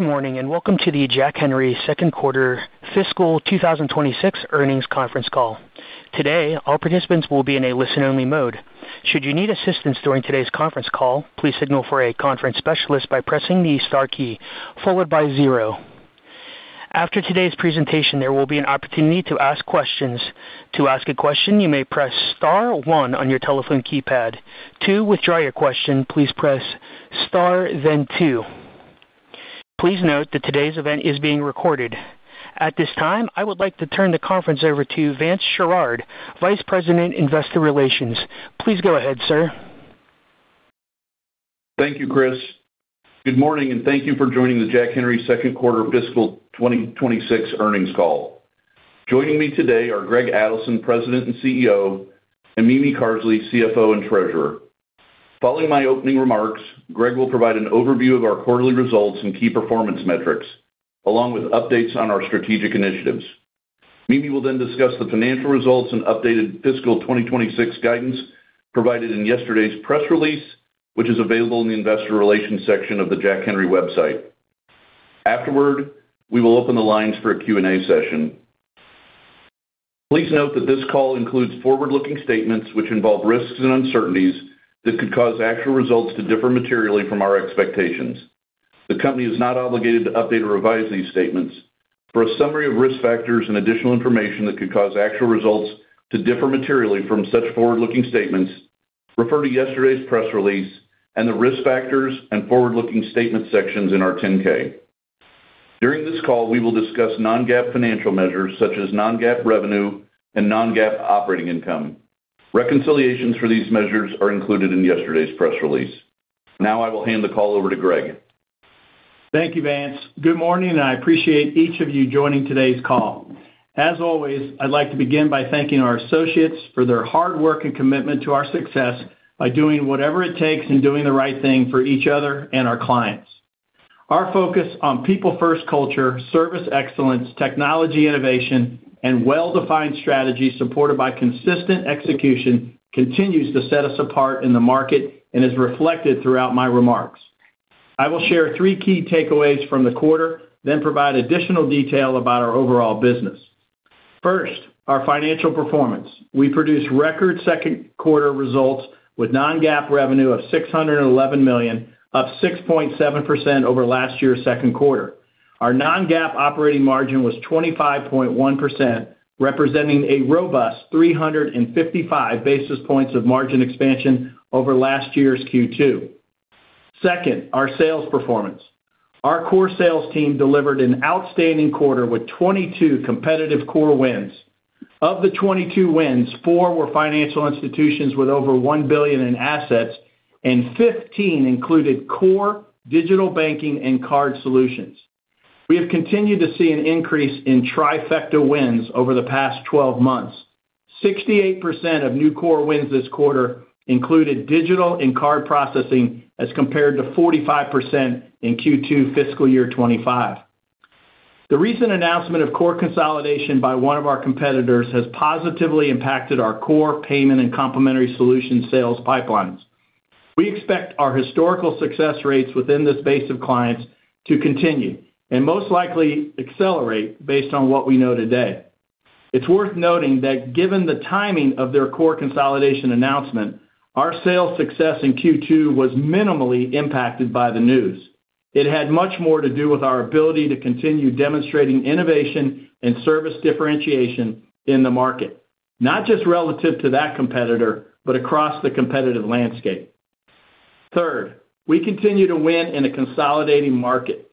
Good morning, and welcome to the Jack Henry second quarter fiscal 2026 earnings conference call. Today, all participants will be in a listen-only mode. Should you need assistance during today's conference call, please signal for a conference specialist by pressing the star key, followed by zero. After today's presentation, there will be an opportunity to ask questions. To ask a question, you may press star one on your telephone keypad. To withdraw your question, please press star, then two. Please note that today's event is being recorded. At this time, I would like to turn the conference over to Vance Sherard, Vice President, Investor Relations. Please go ahead, sir. Thank you, Chris. Good morning, and thank you for joining the Jack Henry second quarter fiscal 2026 earnings call. Joining me today are Greg Adelson, President and CEO, and Mimi Carsley, CFO and Treasurer. Following my opening remarks, Greg will provide an overview of our quarterly results and key performance metrics, along with updates on our strategic initiatives. Mimi will then discuss the financial results and updated fiscal 2026 guidance provided in yesterday's press release, which is available in the Investor Relations section of the Jack Henry website. Afterward, we will open the lines for a Q&A session. Please note that this call includes forward-looking statements, which involve risks and uncertainties that could cause actual results to differ materially from our expectations. The company is not obligated to update or revise these statements. For a summary of risk factors and additional information that could cause actual results to differ materially from such forward-looking statements, refer to yesterday's press release and the Risk Factors and Forward-Looking Statements sections in our 10-K. During this call, we will discuss non-GAAP financial measures such as non-GAAP revenue and non-GAAP operating income. Reconciliations for these measures are included in yesterday's press release. Now I will hand the call over to Greg. Thank you, Vance. Good morning, and I appreciate each of you joining today's call. As always, I'd like to begin by thanking our associates for their hard work and commitment to our success by doing whatever it takes and doing the right thing for each other and our clients. Our focus on people-first culture, service excellence, technology innovation, and well-defined strategy, supported by consistent execution, continues to set us apart in the market and is reflected throughout my remarks. I will share 3 key takeaways from the quarter, then provide additional detail about our overall business. First, our financial performance. We produced record second quarter results with non-GAAP revenue of $611 million, up 6.7% over last year's second quarter. Our non-GAAP operating margin was 25.1%, representing a robust 355 basis points of margin expansion over last year's Q2. Second, our sales performance. Our core sales team delivered an outstanding quarter with 22 competitive core wins. Of the 22 wins, four were financial institutions with over $1 billion in assets, and 15 included core digital banking and card solutions. We have continued to see an increase in trifecta wins over the past 12 months. 68% of new core wins this quarter included digital and card processing, as compared to 45% in Q2 fiscal year 2025. The recent announcement of core consolidation by one of our competitors has positively impacted our core payment and complementary solution sales pipelines. We expect our historical success rates within this base of clients to continue and most likely accelerate based on what we know today. It's worth noting that given the timing of their core consolidation announcement, our sales success in Q2 was minimally impacted by the news. It had much more to do with our ability to continue demonstrating innovation and service differentiation in the market, not just relative to that competitor, but across the competitive landscape. Third, we continue to win in a consolidating market.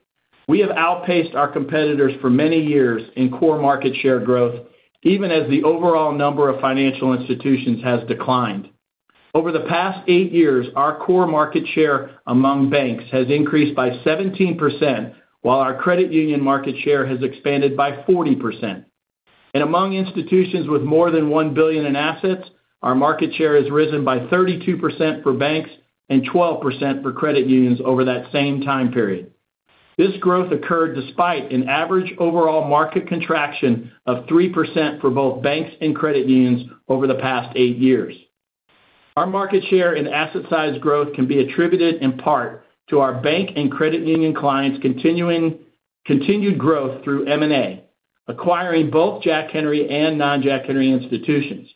We have outpaced our competitors for many years in core market share growth, even as the overall number of financial institutions has declined. Over the past 8 years, our core market share among banks has increased by 17%, while our credit union market share has expanded by 40%. Among institutions with more than 1 billion in assets, our market share has risen by 32% for banks and 12% for credit unions over that same time period. This growth occurred despite an average overall market contraction of 3% for both banks and credit unions over the past 8 years. Our market share and asset size growth can be attributed in part to our bank and credit union clients' continued growth through M&A, acquiring both Jack Henry and non-Jack Henry institutions,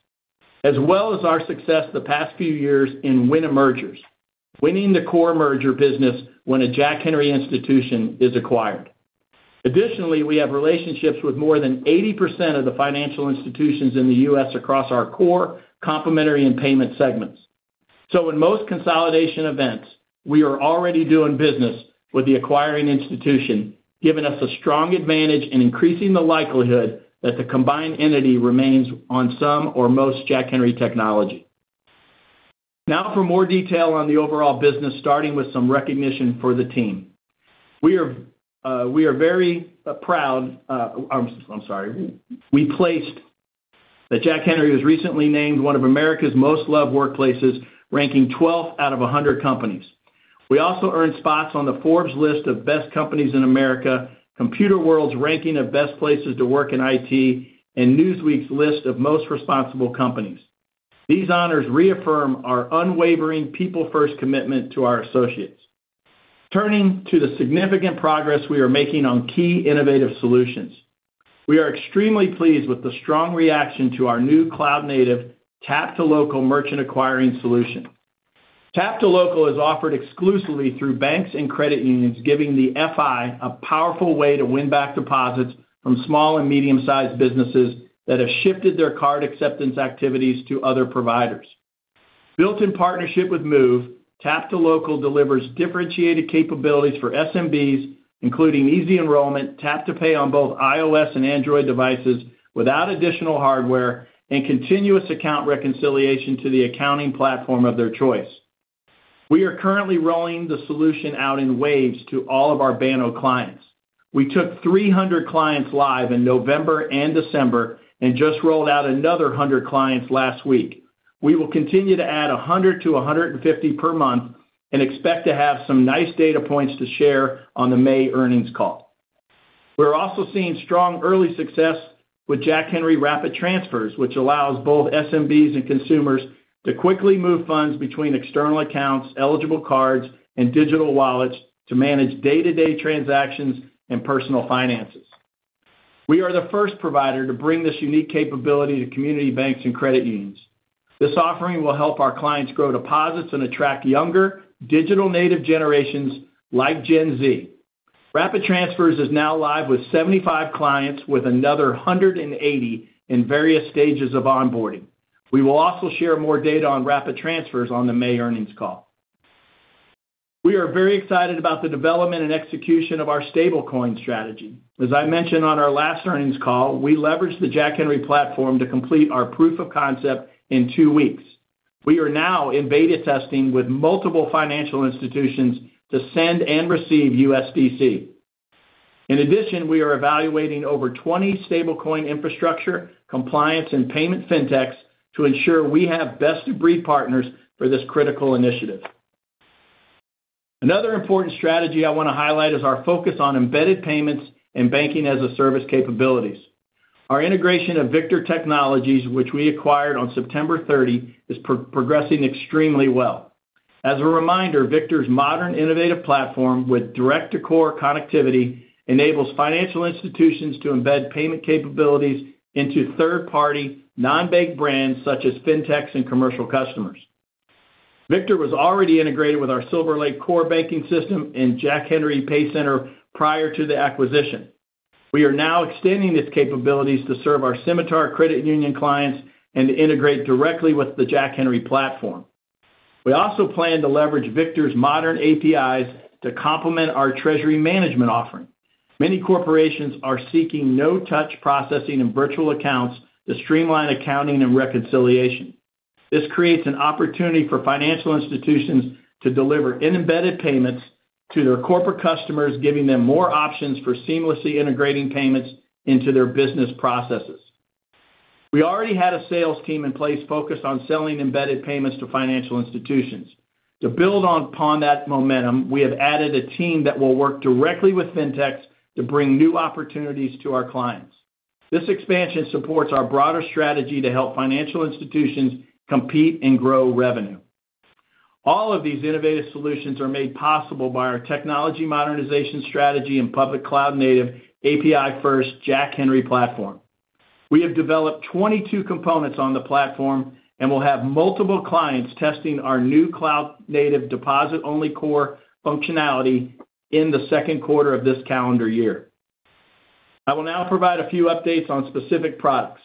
as well as our success the past few years in winning mergers, winning the core merger business when a Jack Henry institution is acquired. Additionally, we have relationships with more than 80% of the financial institutions in the U.S. across our core, complementary, and payment segments. So in most consolidation events, we are already doing business with the acquiring institution, giving us a strong advantage in increasing the likelihood that the combined entity remains on some or most Jack Henry technology. Now for more detail on the overall business, starting with some recognition for the team. We are very proud, I'm sorry. We placed that Jack Henry was recently named one of America's most loved workplaces, ranking twelfth out of 100 companies. We also earned spots on the Forbes list of Best Companies in America, Computerworld's ranking of Best Places to Work in IT, and Newsweek's list of Most Responsible Companies.... These honors reaffirm our unwavering people-first commitment to our associates. Turning to the significant progress we are making on key innovative solutions. We are extremely pleased with the strong reaction to our new cloud-native Tap2Local merchant acquiring solution. Tap2Local is offered exclusively through banks and credit unions, giving the FI a powerful way to win back deposits from small and medium-sized businesses that have shifted their card acceptance activities to other providers. Built in partnership with Moov, Tap to Local delivers differentiated capabilities for SMBs, including easy enrollment, tap to pay on both iOS and Android devices without additional hardware, and continuous account reconciliation to the accounting platform of their choice. We are currently rolling the solution out in waves to all of our Banno clients. We took 300 clients live in November and December and just rolled out another 100 clients last week. We will continue to add 100 to 150 per month and expect to have some nice data points to share on the May earnings call. We're also seeing strong early success with Jack Henry Rapid Transfers, which allows both SMBs and consumers to quickly move funds between external accounts, eligible cards, and digital wallets to manage day-to-day transactions and personal finances. We are the first provider to bring this unique capability to community banks and credit unions. This offering will help our clients grow deposits and attract younger, digital-native generations like Gen Z. Rapid Transfers is now live with 75 clients, with another 180 in various stages of onboarding. We will also share more data on Rapid Transfers on the May earnings call. We are very excited about the development and execution of our stablecoin strategy. As I mentioned on our last earnings call, we leveraged the Jack Henry platform to complete our proof of concept in 2 weeks. We are now in beta testing with multiple financial institutions to send and receive USDC. In addition, we are evaluating over 20 stablecoin infrastructure, compliance, and payment fintechs to ensure we have best-of-breed partners for this critical initiative. Another important strategy I want to highlight is our focus on embedded payments and banking-as-a-service capabilities. Our integration of Victor Technologies, which we acquired on September 30, is progressing extremely well. As a reminder, Victor's modern innovative platform with direct-to-core connectivity enables financial institutions to embed payment capabilities into third-party, non-bank brands such as fintechs and commercial customers. Victor was already integrated with our SilverLake core banking system and Jack Henry PayCenter prior to the acquisition. We are now extending its capabilities to serve our Symitar Credit Union clients and to integrate directly with the Jack Henry platform. We also plan to leverage Victor's modern APIs to complement our treasury management offering. Many corporations are seeking no-touch processing and virtual accounts to streamline accounting and reconciliation. This creates an opportunity for financial institutions to deliver in embedded payments to their corporate customers, giving them more options for seamlessly integrating payments into their business processes. We already had a sales team in place focused on selling embedded payments to financial institutions. To build upon that momentum, we have added a team that will work directly with fintechs to bring new opportunities to our clients. This expansion supports our broader strategy to help financial institutions compete and grow revenue. All of these innovative solutions are made possible by our technology modernization strategy and public cloud-native, API-first Jack Henry platform. We have developed 22 components on the platform and will have multiple clients testing our new cloud-native deposit-only core functionality in the second quarter of this calendar year. I will now provide a few updates on specific products.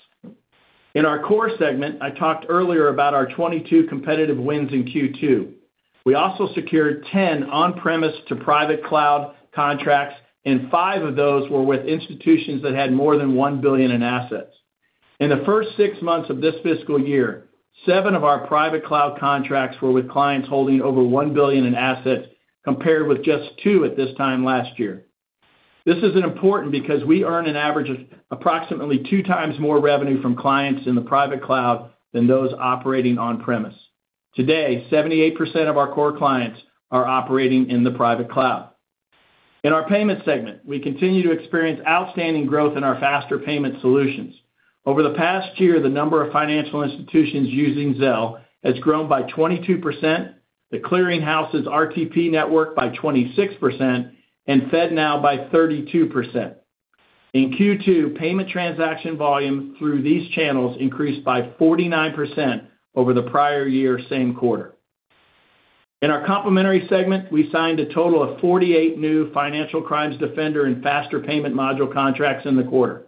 In our core segment, I talked earlier about our 22 competitive wins in Q2. We also secured 10 on-premise to private cloud contracts, and 5 of those were with institutions that had more than $1 billion in assets. In the first six months of this fiscal year, 7 of our private cloud contracts were with clients holding over $1 billion in assets, compared with just 2 at this time last year. This is important because we earn an average of approximately 2 times more revenue from clients in the private cloud than those operating on-premise. Today, 78% of our core clients are operating in the private cloud. In our payments segment, we continue to experience outstanding growth in our faster payment solutions. Over the past year, the number of financial institutions using Zelle has grown by 22%, The Clearing House's RTP network by 26%, and FedNow by 32%. In Q2, payment transaction volume through these channels increased by 49% over the prior year, same quarter. In our complementary segment, we signed a total of 48 new Financial Crimes Defender and faster payment module contracts in the quarter.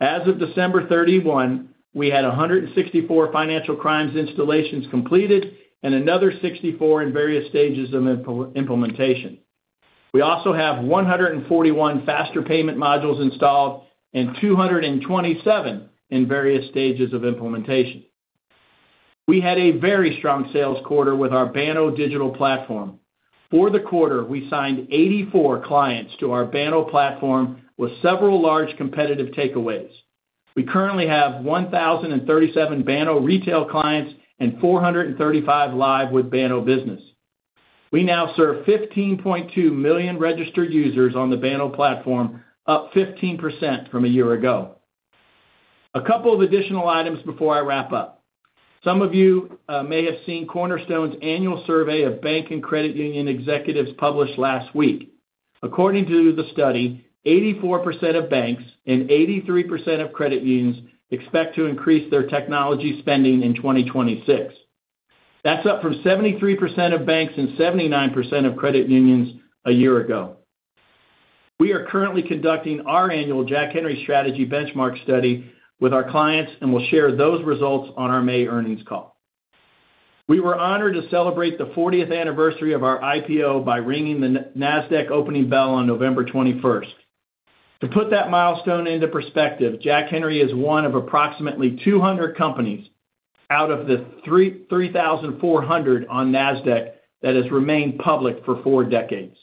As of December 31, we had 164 financial crimes installations completed and another 64 in various stages of implementation. We also have 141 faster payment modules installed and 227 in various stages of implementation. We had a very strong sales quarter with our Banno digital platform. For the quarter, we signed 84 clients to our Banno platform, with several large competitive takeaways. We currently have 1,037 Banno retail clients and 435 live with Banno Business. We now serve 15.2 million registered users on the Banno platform, up 15% from a year ago. A couple of additional items before I wrap up. Some of you may have seen Cornerstone's annual survey of bank and credit union executives published last week. According to the study, 84% of banks and 83% of credit unions expect to increase their technology spending in 2026. That's up from 73% of banks and 79% of credit unions a year ago. We are currently conducting our annual Jack Henry strategy benchmark study with our clients, and we'll share those results on our May earnings call. We were honored to celebrate the 40th anniversary of our IPO by ringing the Nasdaq opening bell on November 21. To put that milestone into perspective, Jack Henry is one of approximately 200 companies out of the 3,400 on Nasdaq that has remained public for 4 decades.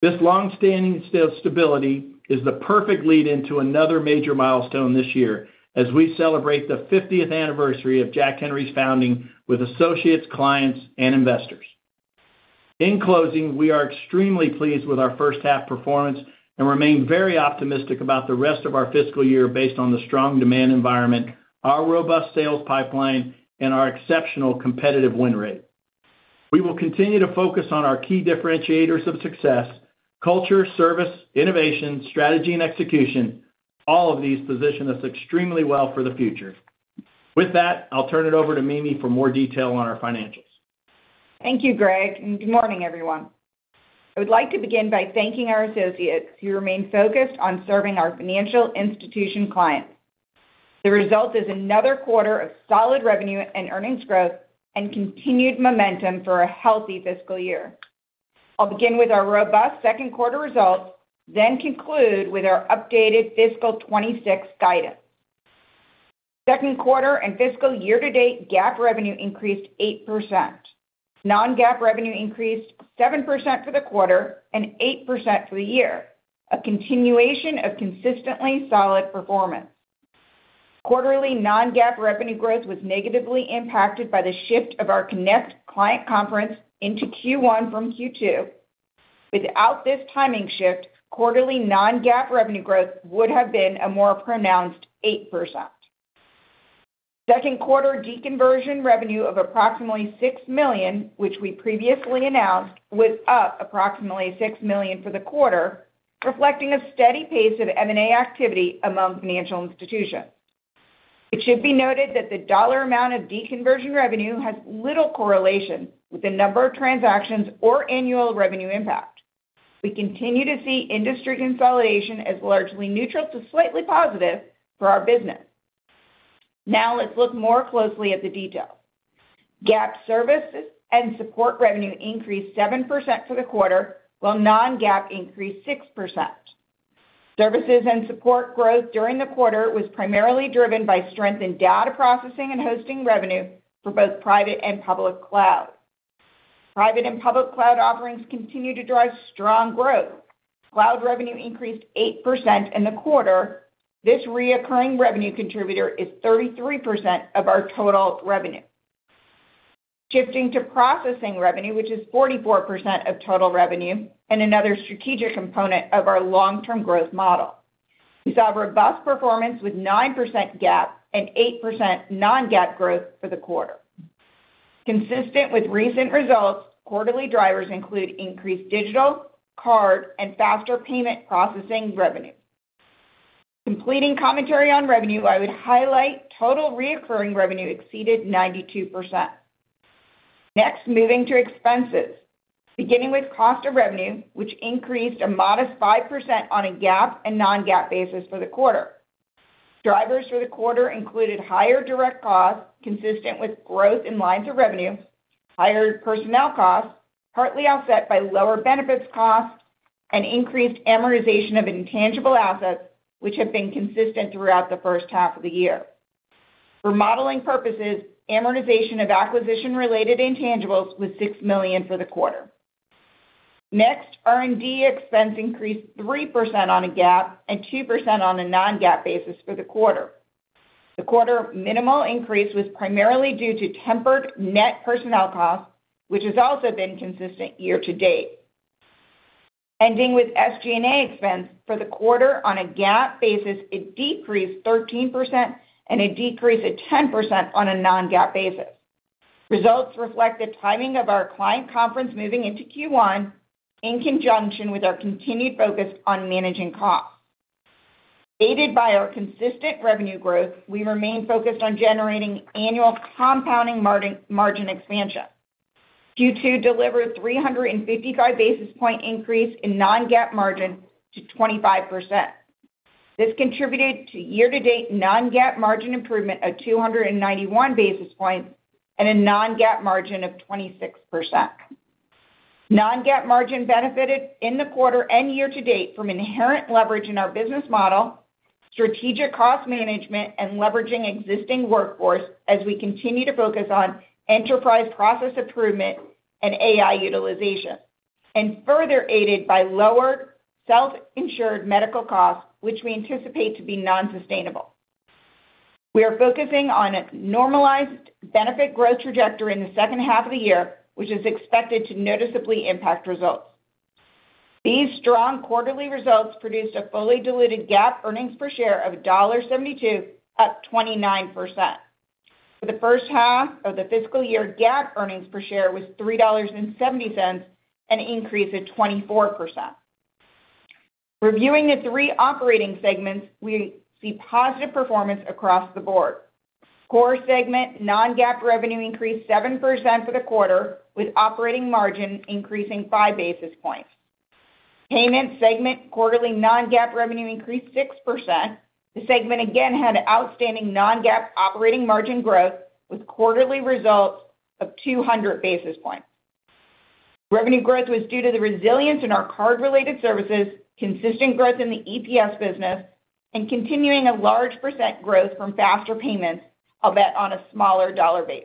This long-standing stability is the perfect lead-in to another major milestone this year, as we celebrate the 50th anniversary of Jack Henry's founding with associates, clients, and investors. In closing, we are extremely pleased with our first half performance and remain very optimistic about the rest of our fiscal year based on the strong demand environment, our robust sales pipeline, and our exceptional competitive win rate. We will continue to focus on our key differentiators of success, culture, service, innovation, strategy, and execution. All of these position us extremely well for the future. With that, I'll turn it over to Mimi for more detail on our financials. Thank you, Greg, and good morning, everyone. I would like to begin by thanking our associates, who remain focused on serving our financial institution clients. The result is another quarter of solid revenue and earnings growth and continued momentum for a healthy fiscal year. I'll begin with our robust second quarter results, then conclude with our updated fiscal 2026 guidance. Second quarter and fiscal year-to-date, GAAP revenue increased 8%. Non-GAAP revenue increased 7% for the quarter and 8% for the year, a continuation of consistently solid performance. Quarterly non-GAAP revenue growth was negatively impacted by the shift of our Connect client conference into Q1 from Q2. Without this timing shift, quarterly non-GAAP revenue growth would have been a more pronounced 8%. Second quarter deconversion revenue of approximately $6 million, which we previously announced, was up approximately $6 million for the quarter, reflecting a steady pace of M&A activity among financial institutions. It should be noted that the dollar amount of deconversion revenue has little correlation with the number of transactions or annual revenue impact. We continue to see industry consolidation as largely neutral to slightly positive for our business. Now, let's look more closely at the detail. GAAP services and support revenue increased 7% for the quarter, while non-GAAP increased 6%. Services and support growth during the quarter was primarily driven by strength in data processing and hosting revenue for both private and public cloud. Private and public cloud offerings continue to drive strong growth. Cloud revenue increased 8% in the quarter. This recurring revenue contributor is 33% of our total revenue. Shifting to processing revenue, which is 44% of total revenue and another strategic component of our long-term growth model, we saw a robust performance with 9% GAAP and 8% non-GAAP growth for the quarter. Consistent with recent results, quarterly drivers include increased digital, card, and faster payment processing revenue. Completing commentary on revenue, I would highlight total recurring revenue exceeded 92%. Next, moving to expenses. Beginning with cost of revenue, which increased a modest 5% on a GAAP and non-GAAP basis for the quarter. Drivers for the quarter included higher direct costs, consistent with growth in lines of revenue, higher personnel costs, partly offset by lower benefits costs, and increased amortization of intangible assets, which have been consistent throughout the first half of the year. For modeling purposes, amortization of acquisition-related intangibles was $6 million for the quarter. Next, R&D expense increased 3% on a GAAP and 2% on a non-GAAP basis for the quarter. The quarter minimal increase was primarily due to tempered net personnel costs, which has also been consistent year to date. Ending with SG&A expense, for the quarter on a GAAP basis, it decreased 13% and it decreased at 10% on a non-GAAP basis. Results reflect the timing of our client conference moving into Q1, in conjunction with our continued focus on managing costs. Aided by our consistent revenue growth, we remain focused on generating annual compounding margin expansion. Q2 delivered 355 basis point increase in non-GAAP margin to 25%. This contributed to year-to-date non-GAAP margin improvement of 291 basis points and a non-GAAP margin of 26%. Non-GAAP margin benefited in the quarter and year to date from inherent leverage in our business model, strategic cost management, and leveraging existing workforce as we continue to focus on enterprise process improvement and AI utilization, and further aided by lower self-insured medical costs, which we anticipate to be non-sustainable. We are focusing on a normalized benefit growth trajectory in the second half of the year, which is expected to noticeably impact results. These strong quarterly results produced a fully diluted GAAP earnings per share of $0.72, up 29%. For the first half of the fiscal year, GAAP earnings per share was $3.70, an increase of 24%. Reviewing the three operating segments, we see positive performance across the board. Core segment non-GAAP revenue increased 7% for the quarter, with operating margin increasing five basis points. Payment segment, quarterly non-GAAP revenue increased 6%. The segment again had outstanding non-GAAP operating margin growth, with quarterly results of 200 basis points. Revenue growth was due to the resilience in our card-related services, consistent growth in the EPS business, and continuing a large percent growth from faster payments, albeit on a smaller dollar base.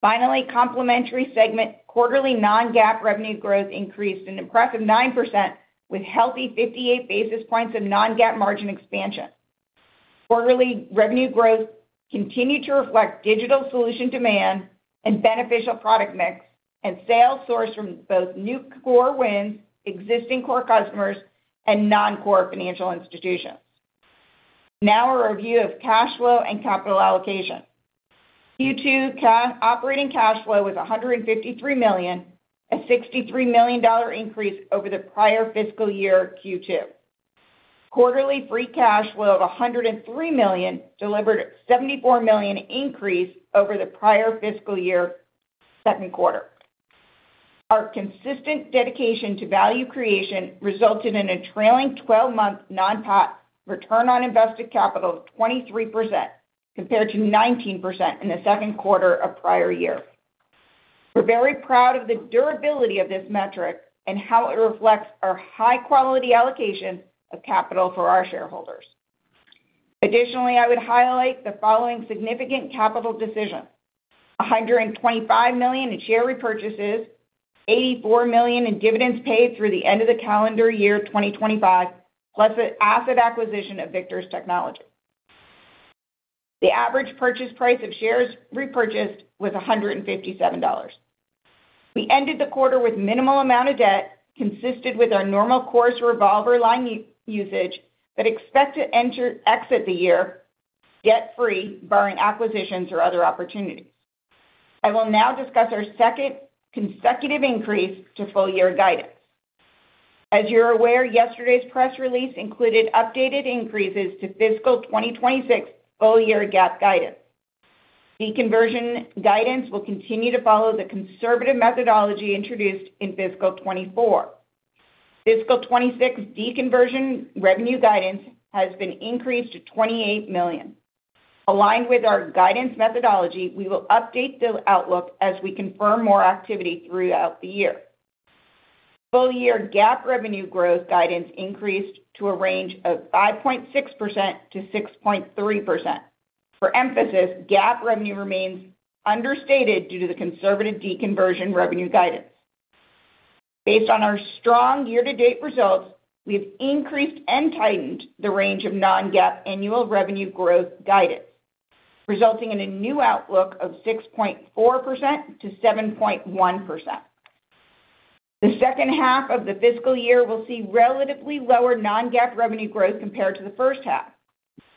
Finally, complementary segment, quarterly non-GAAP revenue growth increased an impressive 9% with healthy 58 basis points of non-GAAP margin expansion. Quarterly revenue growth continued to reflect digital solution demand and beneficial product mix, and sales sourced from both new core wins, existing core customers, and non-core financial institutions. Now a review of cash flow and capital allocation. Q2 operating cash flow was $153 million, a $63 million increase over the prior fiscal year, Q2. Quarterly free cash flow of $103 million delivered $74 million increase over the prior fiscal year, second quarter. Our consistent dedication to value creation resulted in a trailing twelve-month non-GAAP return on invested capital of 23%, compared to 19% in the second quarter of prior year. We're very proud of the durability of this metric and how it reflects our high-quality allocation of capital for our shareholders. Additionally, I would highlight the following significant capital decisions: $125 million in share repurchases, $84 million in dividends paid through the end of the calendar year 2025, plus the asset acquisition of Victor Technologies. The average purchase price of shares repurchased was $157. We ended the quarter with minimal amount of debt, consistent with our normal course revolver line usage, but expect to exit the year debt-free, barring acquisitions or other opportunities. I will now discuss our second consecutive increase to full-year guidance. As you're aware, yesterday's press release included updated increases to fiscal 2026 full-year GAAP guidance. Deconversion guidance will continue to follow the conservative methodology introduced in fiscal 2024. Fiscal 2026 deconversion revenue guidance has been increased to $28 million. Aligned with our guidance methodology, we will update the outlook as we confirm more activity throughout the year. Full-year GAAP revenue growth guidance increased to a range of 5.6%-6.3%. For emphasis, GAAP revenue remains understated due to the conservative deconversion revenue guidance. Based on our strong year-to-date results, we've increased and tightened the range of non-GAAP annual revenue growth guidance, resulting in a new outlook of 6.4%-7.1%. The second half of the fiscal year will see relatively lower non-GAAP revenue growth compared to the first half.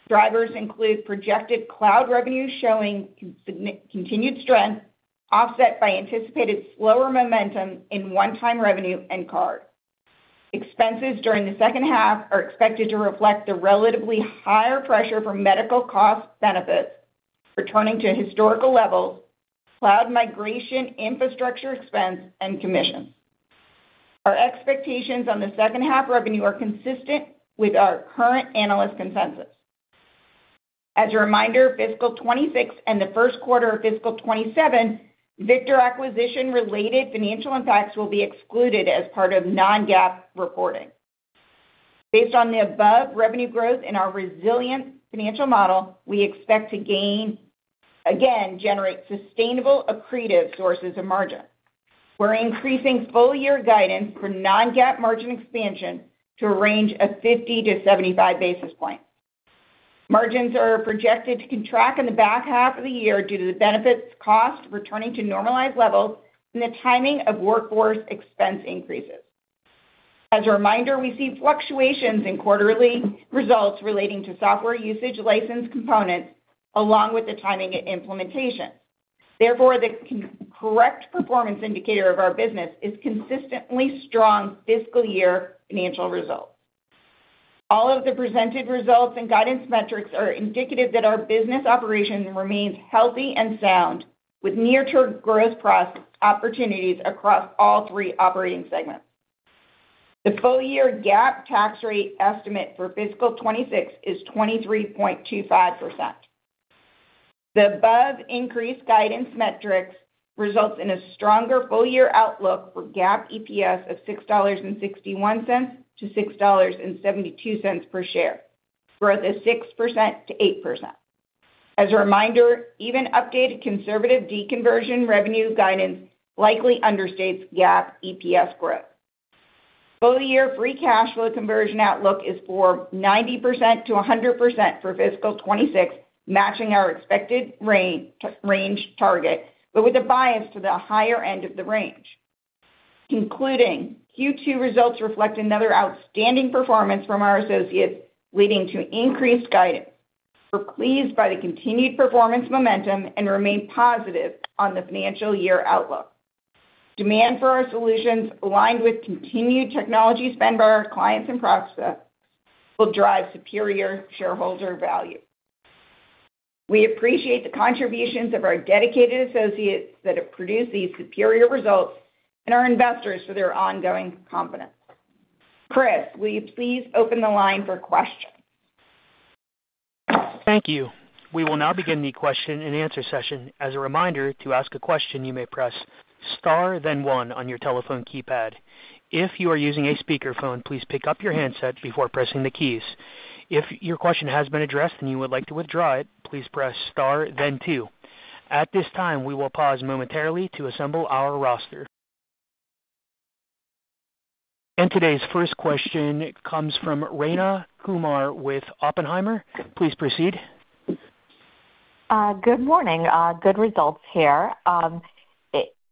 Drivers include projected cloud revenue showing significant continued strength, offset by anticipated slower momentum in one-time revenue and card. Expenses during the second half are expected to reflect the relatively higher pressure from medical cost benefits, returning to historical levels, cloud migration, infrastructure expense, and commissions. Our expectations on the second half revenue are consistent with our current analyst consensus. As a reminder, fiscal 2026 and the first quarter of fiscal 2027, Victor acquisition-related financial impacts will be excluded as part of non-GAAP reporting. Based on the above revenue growth and our resilient financial model, we expect to again generate sustainable, accretive sources of margin. We're increasing full-year guidance for non-GAAP margin expansion to a range of 50-75 basis points. Margins are projected to contract in the back half of the year due to the benefits cost returning to normalized levels and the timing of workforce expense increases. As a reminder, we see fluctuations in quarterly results relating to software usage license components, along with the timing and implementation. Therefore, the correct performance indicator of our business is consistently strong fiscal year financial results. All of the presented results and guidance metrics are indicative that our business operation remains healthy and sound, with near-term growth opportunities across all three operating segments. The full-year GAAP tax rate estimate for fiscal 2026 is 23.25%. The above increased guidance metrics results in a stronger full-year outlook for GAAP EPS of $6.61-$6.72 per share, growth of 6%-8%. As a reminder, even updated conservative deconversion revenue guidance likely understates GAAP EPS growth. Full year free cash flow conversion outlook is for 90%-100% for fiscal 2026, matching our expected range, range target, but with a bias to the higher end of the range. Concluding, Q2 results reflect another outstanding performance from our associates, leading to increased guidance. We're pleased by the continued performance momentum and remain positive on the financial year outlook. Demand for our solutions, aligned with continued technology spend by our clients and prospects, will drive superior shareholder value. We appreciate the contributions of our dedicated associates that have produced these superior results and our investors for their ongoing confidence. Chris, will you please open the line for questions? Thank you. We will now begin the question-and-answer session. As a reminder, to ask a question, you may press Star then one on your telephone keypad. If you are using a speakerphone, please pick up your handset before pressing the keys. If your question has been addressed and you would like to withdraw it, please press Star then two. At this time, we will pause momentarily to assemble our roster. Today's first question comes from Rayna Kumar with Oppenheimer. Please proceed. Good morning. Good results here.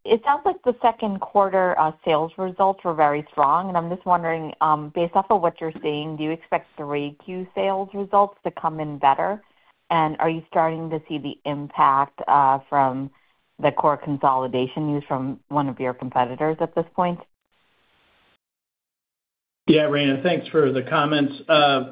It sounds like the second quarter sales results were very strong, and I'm just wondering, based off of what you're seeing, do you expect the 3Q sales results to come in better? And are you starting to see the impact from the core consolidation news from one of your competitors at this point? Yeah, Rayna, thanks for the comments.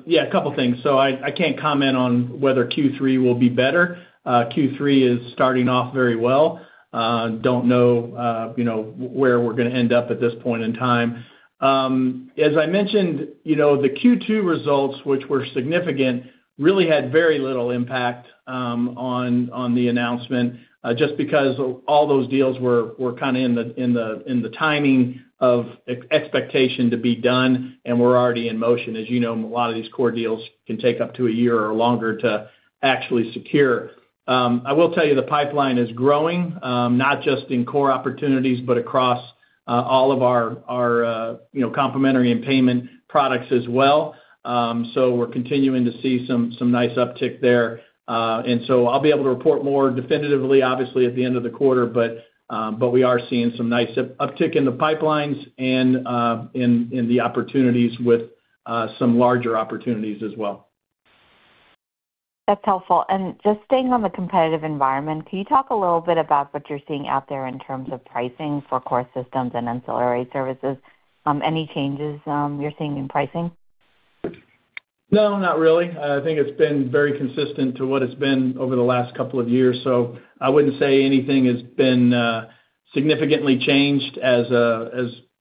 Yeah, a couple things. So I can't comment on whether Q3 will be better. Q3 is starting off very well, don't know, you know, where we're gonna end up at this point in time. As I mentioned, you know, the Q2 results, which were significant, really had very little impact on the announcement, just because all those deals were kinda in the timing of expectation to be done, and were already in motion. As you know, a lot of these core deals can take up to a year or longer to actually secure. I will tell you, the pipeline is growing, not just in core opportunities, but across all of our, you know, complementary and payment products as well. So we're continuing to see some nice uptick there. And so I'll be able to report more definitively, obviously, at the end of the quarter, but we are seeing some nice uptick in the pipelines and in the opportunities with some larger opportunities as well. That's helpful. And just staying on the competitive environment, can you talk a little bit about what you're seeing out there in terms of pricing for core systems and ancillary services? Any changes you're seeing in pricing? No, not really. I think it's been very consistent to what it's been over the last couple of years, so I wouldn't say anything has been significantly changed as,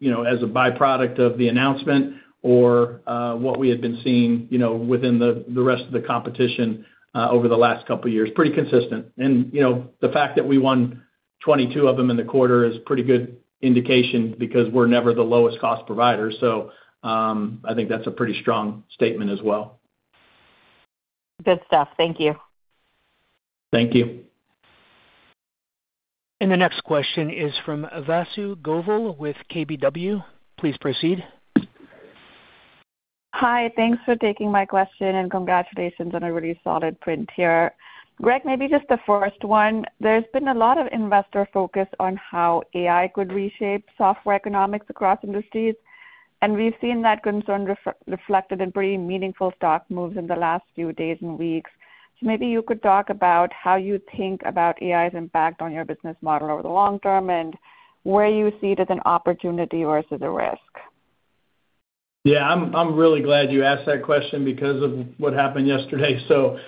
you know, as a byproduct of the announcement or what we had been seeing, you know, within the rest of the competition over the last couple of years. Pretty consistent. And, you know, the fact that we won 22 of them in the quarter is pretty good indication because we're never the lowest cost provider. So, I think that's a pretty strong statement as well. Good stuff. Thank you. Thank you. The next question is from Vasu Govil with KBW. Please proceed. Hi, thanks for taking my question, and congratulations on a really solid print here. Greg, maybe just the first one. There's been a lot of investor focus on how AI could reshape software economics across industries, and we've seen that concern reflected in pretty meaningful stock moves in the last few days and weeks. So maybe you could talk about how you think about AI's impact on your business model over the long term, and where you see it as an opportunity versus a risk. Yeah, I'm really glad you asked that question because of what happened yesterday. So,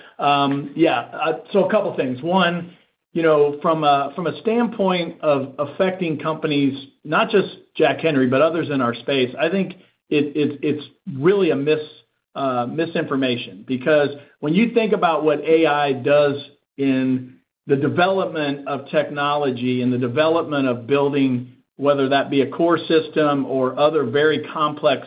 yeah. So a couple things. One, you know, from a standpoint of affecting companies, not just Jack Henry, but others in our space, I think it's really a misinformation. Because when you think about what AI does in the development of technology and the development of building, whether that be a core system or other very complex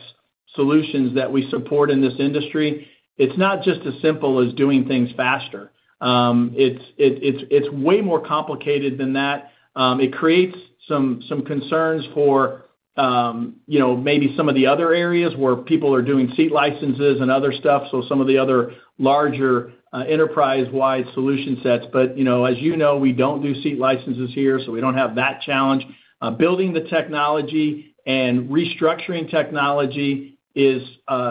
solutions that we support in this industry, it's not just as simple as doing things faster. It's way more complicated than that. It creates some concerns for, you know, maybe some of the other areas where people are doing seat licenses and other stuff, so some of the other larger enterprise-wide solution sets. But, you know, as you know, we don't do seat licenses here, so we don't have that challenge. Building the technology and restructuring technology is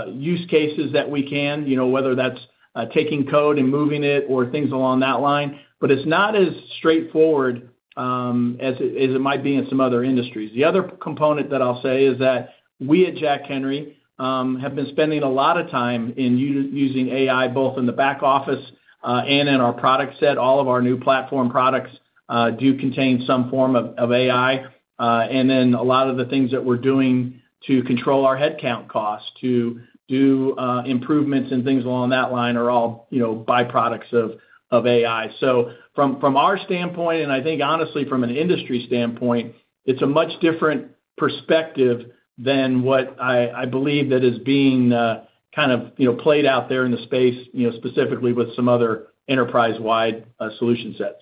use cases that we can, you know, whether that's taking code and moving it or things along that line, but it's not as straightforward as it might be in some other industries. The other component that I'll say is that we at Jack Henry have been spending a lot of time using AI, both in the back office and in our product set. All of our new platform products do contain some form of AI. And then a lot of the things that we're doing to control our headcount costs, to do improvements and things along that line are all, you know, by products of AI. So from our standpoint, and I think honestly from an industry standpoint, it's a much different perspective than what I believe that is being kind of, you know, played out there in the space, you know, specifically with some other enterprise-wide solution sets.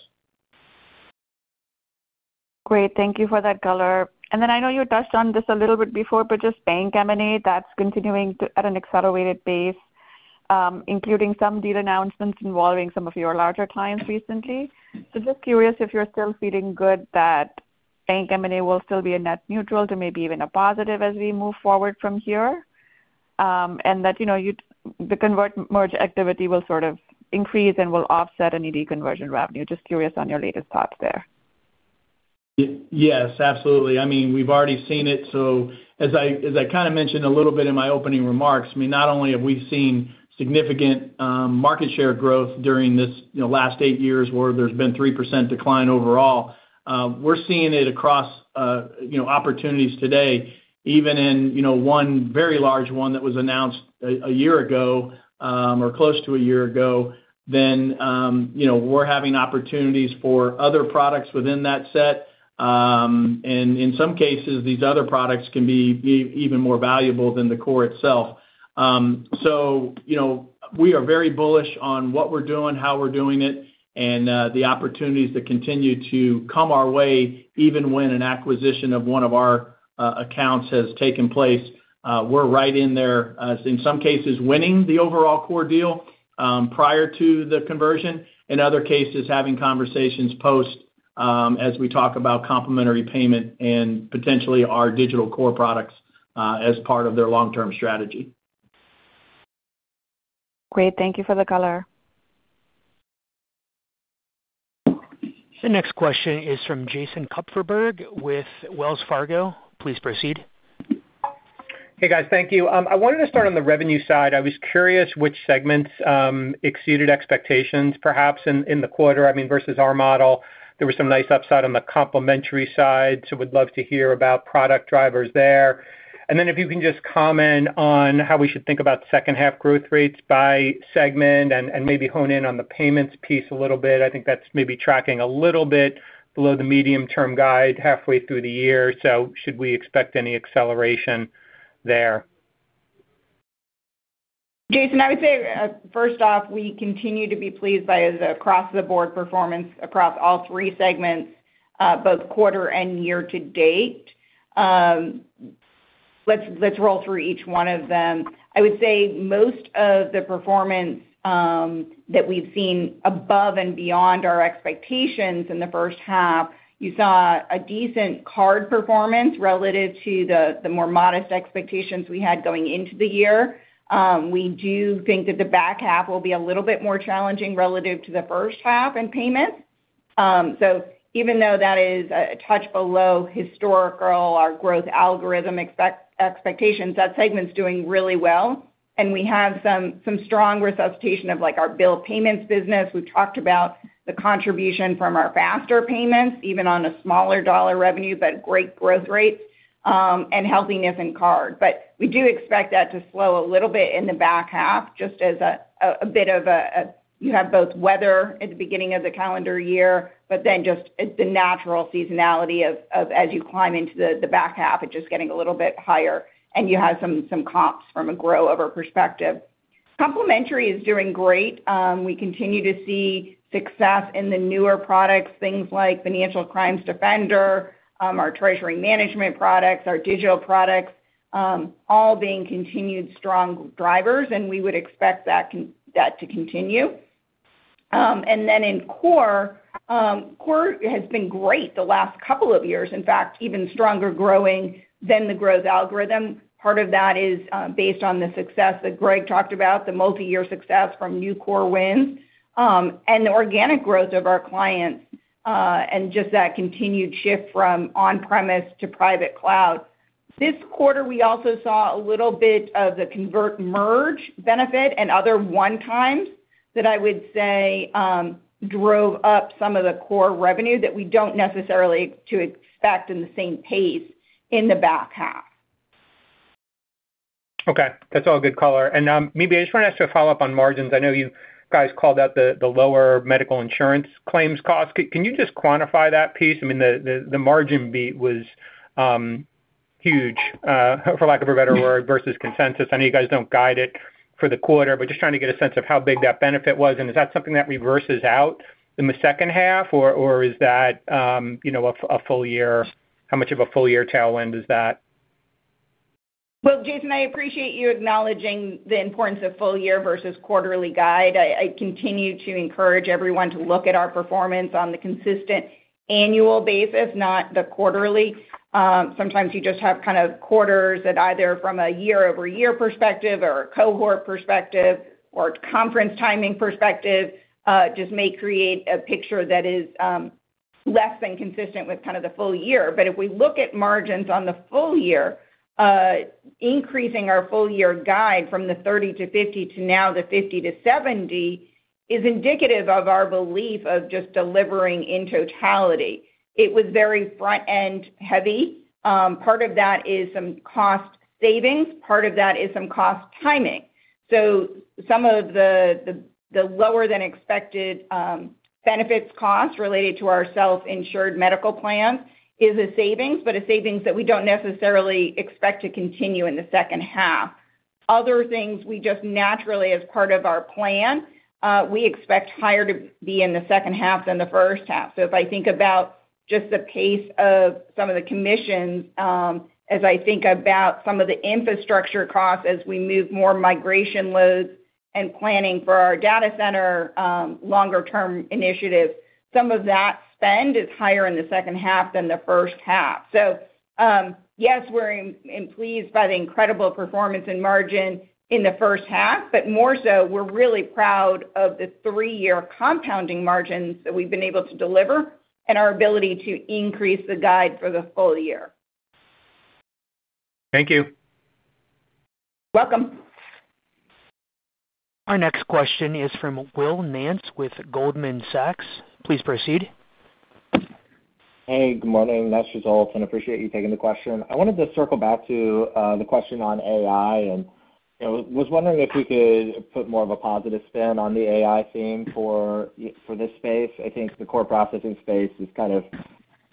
Great. Thank you for that color. And then I know you touched on this a little bit before, but just bank M&A, that's continuing at an accelerated pace, including some deal announcements involving some of your larger clients recently. So just curious if you're still feeling good that bank M&A will still be a net neutral to maybe even a positive as we move forward from here? And that, you know, the conversion merge activity will sort of increase and will offset any deconversion revenue. Just curious on your latest thoughts there. Yes, absolutely. I mean, we've already seen it. So as I kind of mentioned a little bit in my opening remarks, I mean, not only have we seen significant market share growth during this, you know, last 8 years, where there's been 3% decline overall. We're seeing it across, you know, opportunities today, even in, you know, 1 very large one that was announced a year ago, or close to a year ago, then, you know, we're having opportunities for other products within that set. And in some cases, these other products can be even more valuable than the core itself. So, you know, we are very bullish on what we're doing, how we're doing it, and the opportunities that continue to come our way, even when an acquisition of one of our accounts has taken place. We're right in there, in some cases, winning the overall core deal prior to the conversion. In other cases, having conversations post, as we talk about complementary payment and potentially our digital core products, as part of their long-term strategy. Great. Thank you for the color. The next question is from Jason Kupferberg, with Wells Fargo. Please proceed. Hey, guys. Thank you. I wanted to start on the revenue side. I was curious which segments exceeded expectations, perhaps in the quarter. I mean, versus our model, there were some nice upside on the complementary side, so would love to hear about product drivers there. And then if you can just comment on how we should think about second half growth rates by segment and maybe hone in on the payments piece a little bit. I think that's maybe tracking a little bit below the medium-term guide, halfway through the year, so should we expect any acceleration there? Jason, I would say, first off, we continue to be pleased by the across-the-board performance across all three segments, both quarter and year to date. Let's roll through each one of them. I would say most of the performance that we've seen above and beyond our expectations in the first half, you saw a decent card performance relative to the more modest expectations we had going into the year. We do think that the back half will be a little bit more challenging relative to the first half in payments. So even though that is a touch below historical, our growth algorithm expectations, that segment's doing really well, and we have some strong resuscitation of, like, our bill payments business. We've talked about the contribution from our faster payments, even on a smaller dollar revenue, but great growth rates, and healthiness in card. But we do expect that to slow a little bit in the back half, just as a bit of a you have both weather at the beginning of the calendar year, but then just it's the natural seasonality of as you climb into the back half, it's just getting a little bit higher, and you have some comps from a grow-over perspective. Complementary is doing great. We continue to see success in the newer products, things like Financial Crimes Defender, our treasury management products, our digital products, all being continued strong drivers, and we would expect that to continue. And then in core, core has been great the last couple of years. In fact, even stronger growing than the growth algorithm. Part of that is based on the success that Greg talked about, the multi-year success from new core wins, and the organic growth of our clients, and just that continued shift from on-premise to private cloud. This quarter, we also saw a little bit of the convert merge benefit and other one-times that I would say drove up some of the core revenue that we don't necessarily expect to in the same pace in the back half. Okay, that's all good color. And, maybe I just wanted to ask a follow-up on margins. I know you guys called out the lower medical insurance claims cost. Can you just quantify that piece? I mean, the margin beat was huge, for lack of a better word, versus consensus. I know you guys don't guide it for the quarter, but just trying to get a sense of how big that benefit was, and is that something that reverses out in the second half, or is that, you know, a full year? How much of a full-year tailwind is that? Well, Jason, I appreciate you acknowledging the importance of full year versus quarterly guide. I continue to encourage everyone to look at our performance on the consistent annual basis, not the quarterly. Sometimes you just have kind of quarters that, either from a year-over-year perspective or a cohort perspective or conference timing perspective, just may create a picture that is less than consistent with kind of the full year. But if we look at margins on the full year, increasing our full year guide from the 30-50 to now the 50-70, is indicative of our belief of just delivering in totality. It was very front-end heavy. Part of that is some cost savings. Part of that is some cost timing. So some of the lower-than-expected benefits costs related to our self-insured medical plan is a savings, but a savings that we don't necessarily expect to continue in the second half. Other things we just naturally, as part of our plan, we expect higher to be in the second half than the first half. So if I think about just the pace of some of the commissions, as I think about some of the infrastructure costs as we move more migration loads and planning for our data center, longer-term initiatives, some of that spend is higher in the second half than the first half. So, yes, we're pleased by the incredible performance and margin in the first half, but more so, we're really proud of the three-year compounding margins that we've been able to deliver and our ability to increase the guide for the full year. Thank you. Welcome. Our next question is from Will Nance with Goldman Sachs. Please proceed. Hey, good morning. Nice results, and appreciate you taking the question. I wanted to circle back to the question on AI, and, you know, was wondering if you could put more of a positive spin on the AI theme for this space. I think the core processing space is kind of,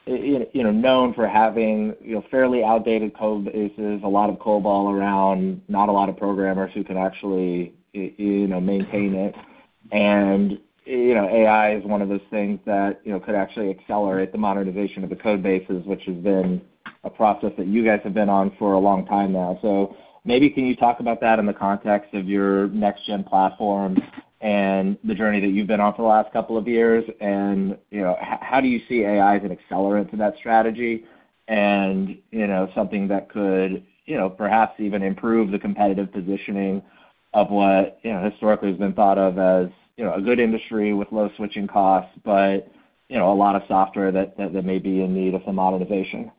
you know, known for having, you know, fairly outdated code bases, a lot of COBOL around, not a lot of programmers who can actually, you know, maintain it. And, you know, AI is one of those things that, you know, could actually accelerate the modernization of the code bases, which has been a process that you guys have been on for a long time now. So maybe can you talk about that in the context of your next-gen platform and the journey that you've been on for the last couple of years? And, you know, how do you see AI as an accelerant to that strategy? And, you know, something that could, you know, perhaps even improve the competitive positioning of what, you know, historically has been thought of as, you know, a good industry with low switching costs, but, you know, a lot of software that may be in need of some modernization.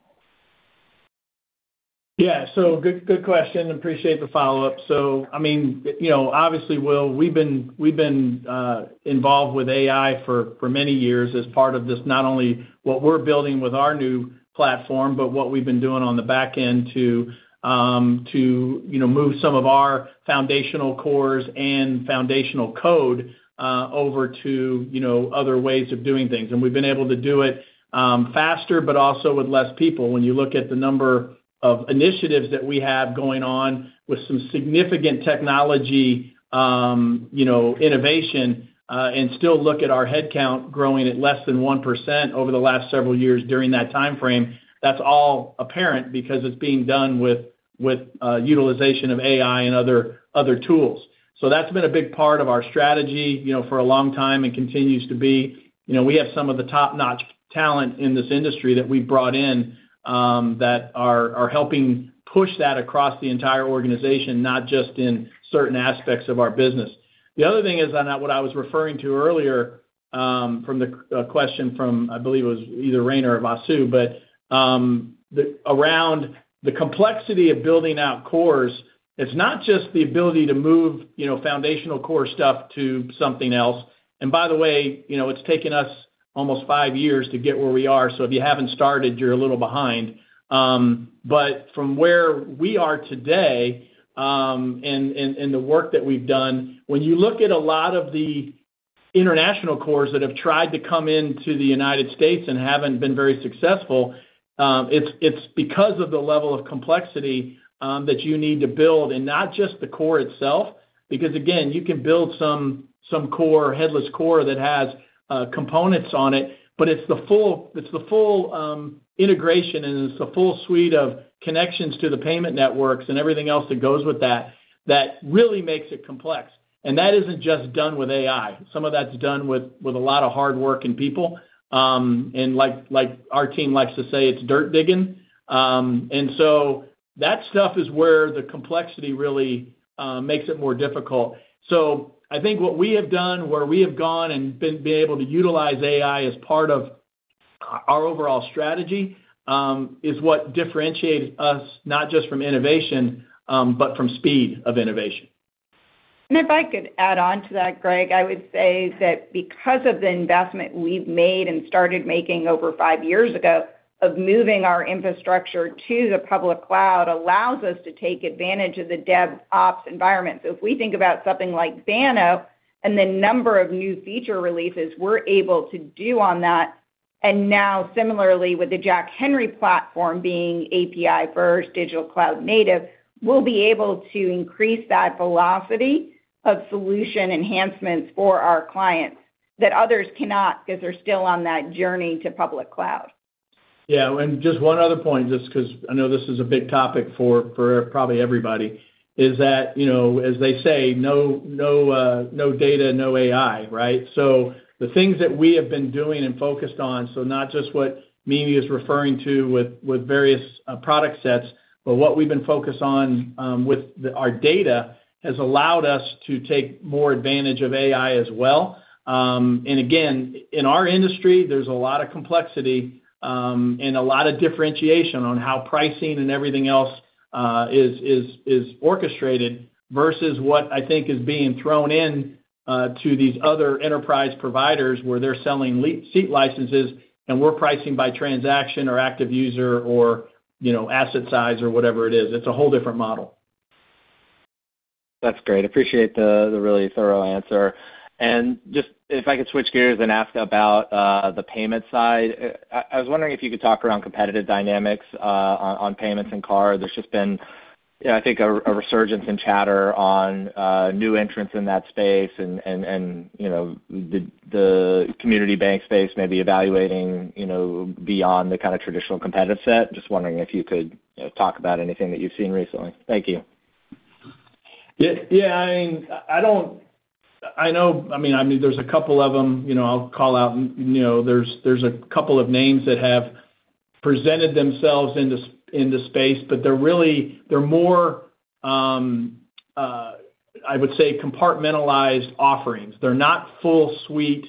Yeah. So good, good question. Appreciate the follow-up. So I mean, you know, obviously, Will, we've been involved with AI for many years as part of this, not only what we're building with our new platform, but what we've been doing on the back end to, you know, move some of our foundational cores and foundational code over to, you know, other ways of doing things. And we've been able to do it faster, but also with less people. When you look at the number of initiatives that we have going on with some significant technology, you know, innovation, and still look at our headcount growing at less than 1% over the last several years during that time frame, that's all apparent because it's being done with utilization of AI and other tools. So that's been a big part of our strategy, you know, for a long time and continues to be. You know, we have some of the top-notch talent in this industry that we've brought in, that are helping push that across the entire organization, not just in certain aspects of our business. The other thing is on that, what I was referring to earlier, from the question from, I believe it was either Rayna or Vasu, but, around the complexity of building out cores, it's not just the ability to move, you know, foundational core stuff to something else. And by the way, you know, it's taken us almost five years to get where we are, so if you haven't started, you're a little behind. But from where we are today, and the work that we've done, when you look at a lot of the international cores that have tried to come into the United States and haven't been very successful, it's because of the level of complexity that you need to build, and not just the core itself. Because, again, you can build some core, headless core that has components on it, but it's the full integration, and it's the full suite of connections to the payment networks and everything else that goes with that, that really makes it complex. And that isn't just done with AI. Some of that's done with a lot of hard work and people. And like, like our team likes to say, "It's dirt digging." And so that stuff is where the complexity really makes it more difficult. So I think what we have done, where we have gone and been able to utilize AI as part of our overall strategy, is what differentiates us, not just from innovation, but from speed of innovation. If I could add on to that, Greg, I would say that because of the investment we've made and started making over five years ago, of moving our infrastructure to the public cloud, allows us to take advantage of the DevOps environment. If we think about something like Banno and the number of new feature releases we're able to do on that, and now similarly with the Jack Henry platform being API first digital cloud native, we'll be able to increase that velocity of solution enhancements for our clients, that others cannot because they're still on that journey to public cloud. Yeah, and just one other point, just 'cause I know this is a big topic for probably everybody, is that, you know, as they say, "No, no, no data, no AI," right? So the things that we have been doing and focused on, so not just what Mimi is referring to with various product sets, but what we've been focused on with our data, has allowed us to take more advantage of AI as well. And again, in our industry, there's a lot of complexity, and a lot of differentiation on how pricing and everything else is orchestrated versus what I think is being thrown in to these other enterprise providers, where they're selling seat licenses, and we're pricing by transaction or active user or, you know, asset size or whatever it is. It's a whole different model. That's great. Appreciate the really thorough answer. And just if I could switch gears and ask about the payment side. I was wondering if you could talk around competitive dynamics on payments and card. There's just been, I think, a resurgence in chatter on new entrants in that space and you know, the community bank space may be evaluating, you know, beyond the kind of traditional competitive set. Just wondering if you could, you know, talk about anything that you've seen recently. Thank you. Yeah, yeah. I mean, I know, I mean, I mean, there's a couple of them, you know, I'll call out. You know, there's a couple of names that have presented themselves into space, but they're more, I would say, compartmentalized offerings. They're not full suite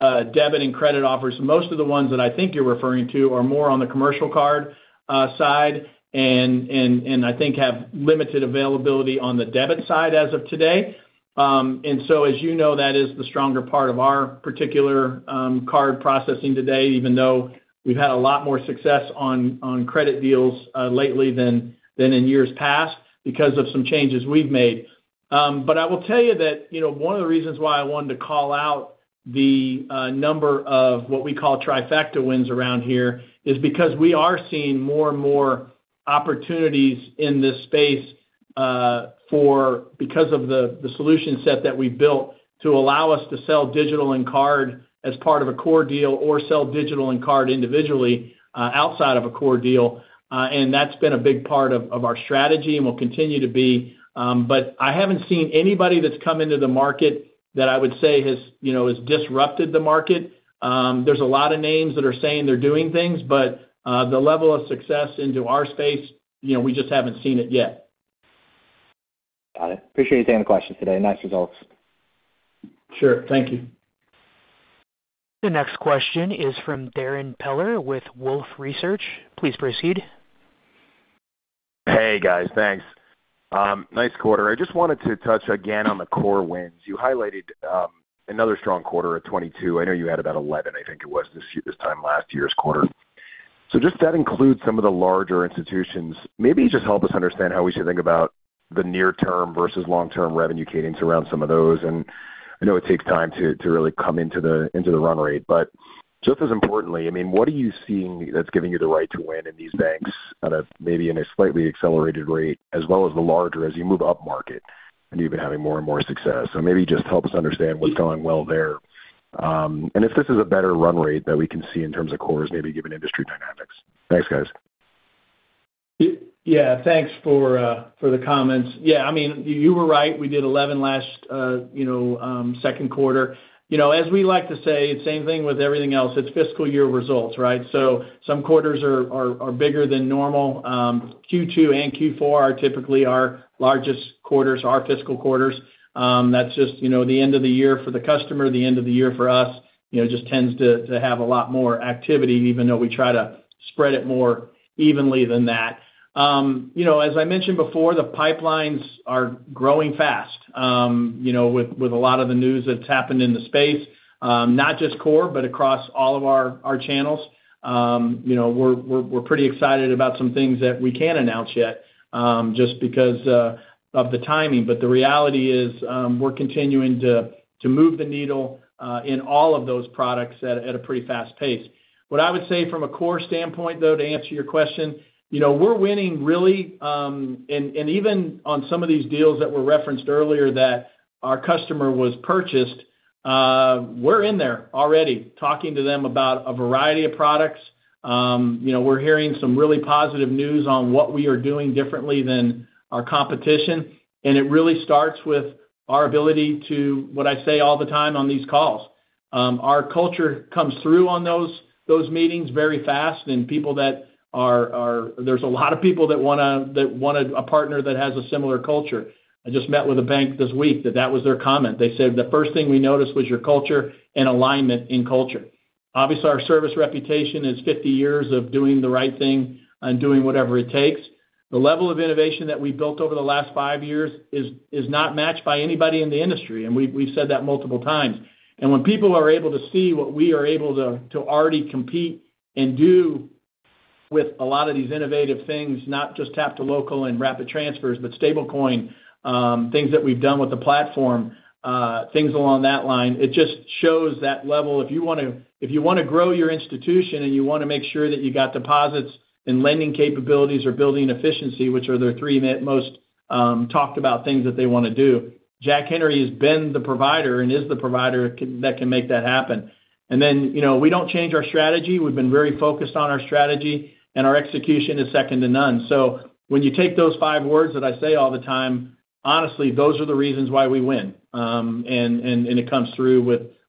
debit and credit offers. Most of the ones that I think you're referring to are more on the commercial card side, and I think have limited availability on the debit side as of today. And so, as you know, that is the stronger part of our particular card processing today, even though we've had a lot more success on credit deals lately than in years past, because of some changes we've made. But I will tell you that, you know, one of the reasons why I wanted to call out the number of what we call trifecta wins around here, is because we are seeing more and more opportunities in this space, because of the solution set that we built, to allow us to sell digital and card as part of a core deal, or sell digital and card individually, outside of a core deal. And that's been a big part of our strategy and will continue to be, but I haven't seen anybody that's come into the market that I would say has, you know, has disrupted the market. There's a lot of names that are saying they're doing things, but the level of success into our space, you know, we just haven't seen it yet. Got it. Appreciate you taking the question today. Nice results. Sure. Thank you. The next question is from Darrin Peller with Wolfe Research. Please proceed. Hey, guys, thanks. Nice quarter. I just wanted to touch again on the core wins. You highlighted another strong quarter at 22. I know you had about 11, I think it was, this time last year's quarter. So just that includes some of the larger institutions. Maybe just help us understand how we should think about the near term versus long-term revenue cadence around some of those. And I know it takes time to really come into the run rate, but just as importantly, I mean, what are you seeing that's giving you the right to win in these banks that maybe in a slightly accelerated rate, as well as the larger, as you move up market, and you've been having more and more success? So maybe just help us understand what's going well there. If this is a better run rate that we can see in terms of cores, maybe given industry dynamics. Thanks, guys. Yeah, thanks for the comments. Yeah, I mean, you were right. We did 11 last second quarter. You know, as we like to say, same thing with everything else, it's fiscal year results, right? So some quarters are bigger than normal. Q2 and Q4 are typically our largest quarters, our fiscal quarters. That's just the end of the year for the customer, the end of the year for us, you know, just tends to have a lot more activity, even though we try to spread it more evenly than that. You know, as I mentioned before, the pipelines are growing fast, you know, with a lot of the news that's happened in the space, not just core, but across all of our channels. You know, we're pretty excited about some things that we can't announce yet, just because of the timing. But the reality is, we're continuing to move the needle in all of those products at a pretty fast pace. What I would say from a core standpoint, though, to answer your question, you know, we're winning really. And even on some of these deals that were referenced earlier that our customer was purchased, we're in there already talking to them about a variety of products. You know, we're hearing some really positive news on what we are doing differently than our competition, and it really starts with our ability to, what I say all the time on these calls, our culture comes through on those meetings very fast, and people that there's a lot of people that wanna a partner that has a similar culture. I just met with a bank this week, that was their comment. They said, "The first thing we noticed was your culture and alignment in culture." Obviously, our service reputation is 50 years of doing the right thing and doing whatever it takes. The level of innovation that we've built over the last 5 years is not matched by anybody in the industry, and we've said that multiple times. When people are able to see what we are able to already compete and do with a lot of these innovative things, not just Tap2Local and Rapid Transfers, but stablecoin, things that we've done with the platform, things along that line, it just shows that level. If you wanna, if you wanna grow your institution and you wanna make sure that you got deposits and lending capabilities or building efficiency, which are the three most talked about things that they wanna do, Jack Henry has been the provider and is the provider that can make that happen. And then, you know, we don't change our strategy. We've been very focused on our strategy, and our execution is second to none. So when you take those five words that I say all the time, honestly, those are the reasons why we win. It comes through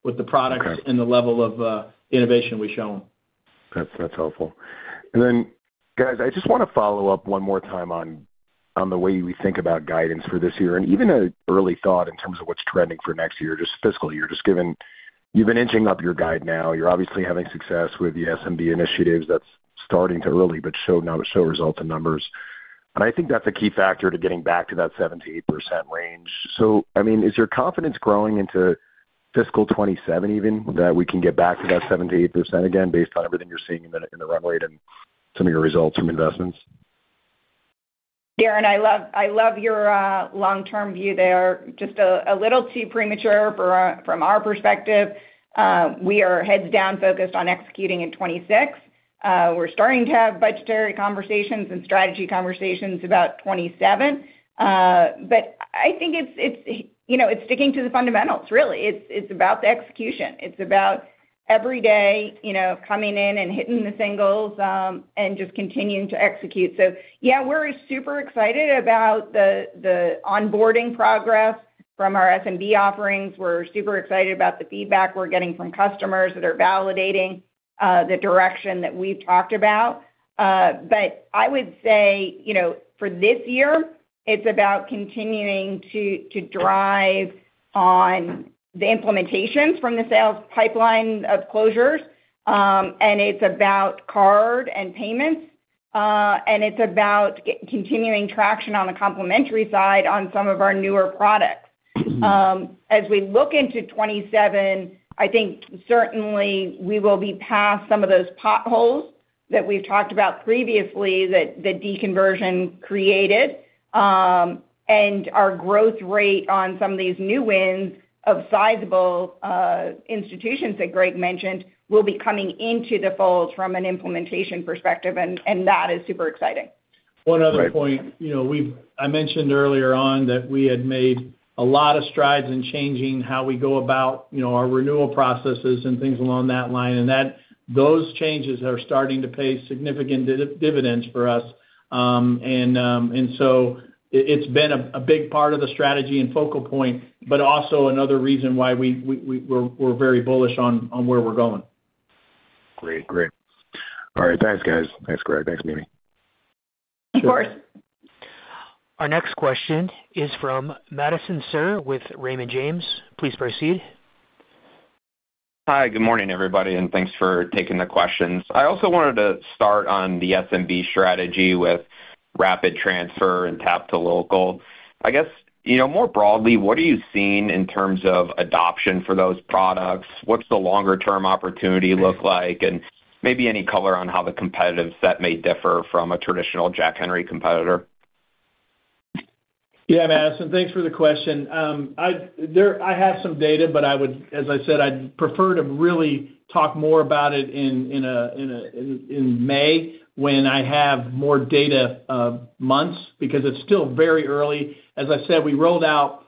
with the products- Okay. and the level of innovation we show them. That's, that's helpful. And then, guys, I just wanna follow up one more time on, on the way we think about guidance for this year, and even an early thought in terms of what's trending for next year, just fiscal year. Just given you've been inching up your guide now, you're obviously having success with the SMB initiatives that's starting to early, but show now, show result in numbers. And I think that's a key factor to getting back to that 70%-80% range. So, I mean, is your confidence growing into fiscal 2027 even, that we can get back to that 7%-8% again, based on everything you're seeing in the, in the run rate and some of your results from investments? Darren, I love, I love your long-term view there. Just a little too premature from our perspective. We are heads down focused on executing in 2026. We're starting to have budgetary conversations and strategy conversations about 2027. But I think it's, it's, you know, it's sticking to the fundamentals, really. It's, it's about the execution. It's about every day, you know, coming in and hitting the singles, and just continuing to execute. So yeah, we're super excited about the onboarding progress from our SMB offerings. We're super excited about the feedback we're getting from customers that are validating the direction that we've talked about. But I would say, you know, for this year, it's about continuing to drive on the implementations from the sales pipeline of closures, and it's about card and payments, and it's about getting continuing traction on the complementary side on some of our newer products. As we look into 2027, I think certainly we will be past some of those potholes that we've talked about previously, that the deconversion created. And our growth rate on some of these new wins of sizable institutions that Greg mentioned, will be coming into the fold from an implementation perspective, and that is super exciting. One other point, you know, I mentioned earlier on that we had made a lot of strides in changing how we go about, you know, our renewal processes and things along that line, and those changes are starting to pay significant dividends for us. And so it's been a big part of the strategy and focal point, but also another reason why we're very bullish on where we're going. Great. Great. All right, thanks, guys. Thanks, Greg. Thanks, Mimi. Thank you, Darren. Our next question is from Madison Suhr with Raymond James. Please proceed. Hi, good morning, everybody, and thanks for taking the questions. I also wanted to start on the SMB strategy with Rapid Transfer and Tap to Local. I guess, you know, more broadly, what are you seeing in terms of adoption for those products? What's the longer term opportunity look like? And maybe any color on how the competitive set may differ from a traditional Jack Henry competitor? Yeah, Madison, thanks for the question. I have some data, but as I said, I'd prefer to really talk more about it in May, when I have more data in months, because it's still very early. As I said, we rolled out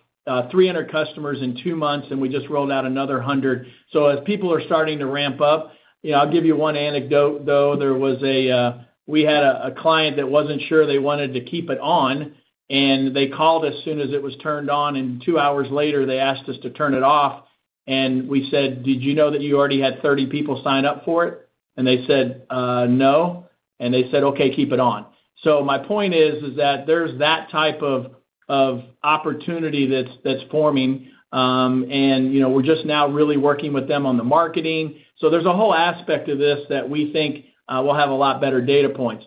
300 customers in two months, and we just rolled out another 100. So as people are starting to ramp up, you know, I'll give you one anecdote, though. There was a client that wasn't sure they wanted to keep it on, and they called as soon as it was turned on, and two hours later, they asked us to turn it off. And we said: "Did you know that you already had 30 people signed up for it?" And they said, "No." And they said: "Okay, keep it on." So my point is that there's that type of opportunity that's forming, and, you know, we're just now really working with them on the marketing. So there's a whole aspect of this that we think we'll have a lot better data points.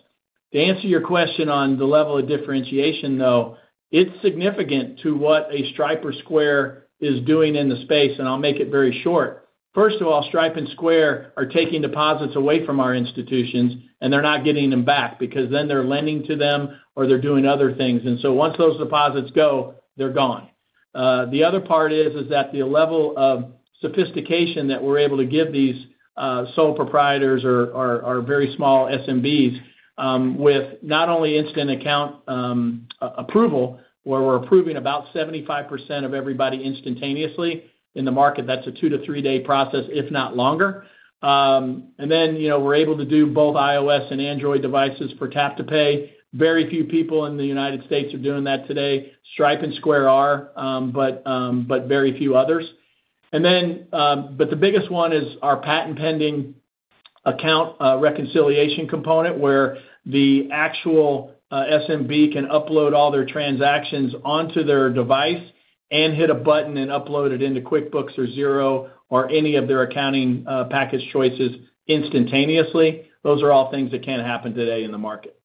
To answer your question on the level of differentiation, though, it's significant to what a Stripe or Square is doing in the space, and I'll make it very short. First of all, Stripe and Square are taking deposits away from our institutions, and they're not getting them back because then they're lending to them or they're doing other things. And so once those deposits go, they're gone. The other part is that the level of sophistication that we're able to give these sole proprietors or very small SMBs with not only instant account approval, where we're approving about 75% of everybody instantaneously. In the market, that's a 2-3-day process, if not longer. And then, you know, we're able to do both iOS and Android devices for tap-to-pay. Very few people in the United States are doing that today. Stripe and Square are, but very few others. And then, but the biggest one is our patent-pending account reconciliation component, where the actual SMB can upload all their transactions onto their device and hit a button and upload it into QuickBooks or Xero or any of their accounting package choices instantaneously. Those are all things that can't happen today in the market.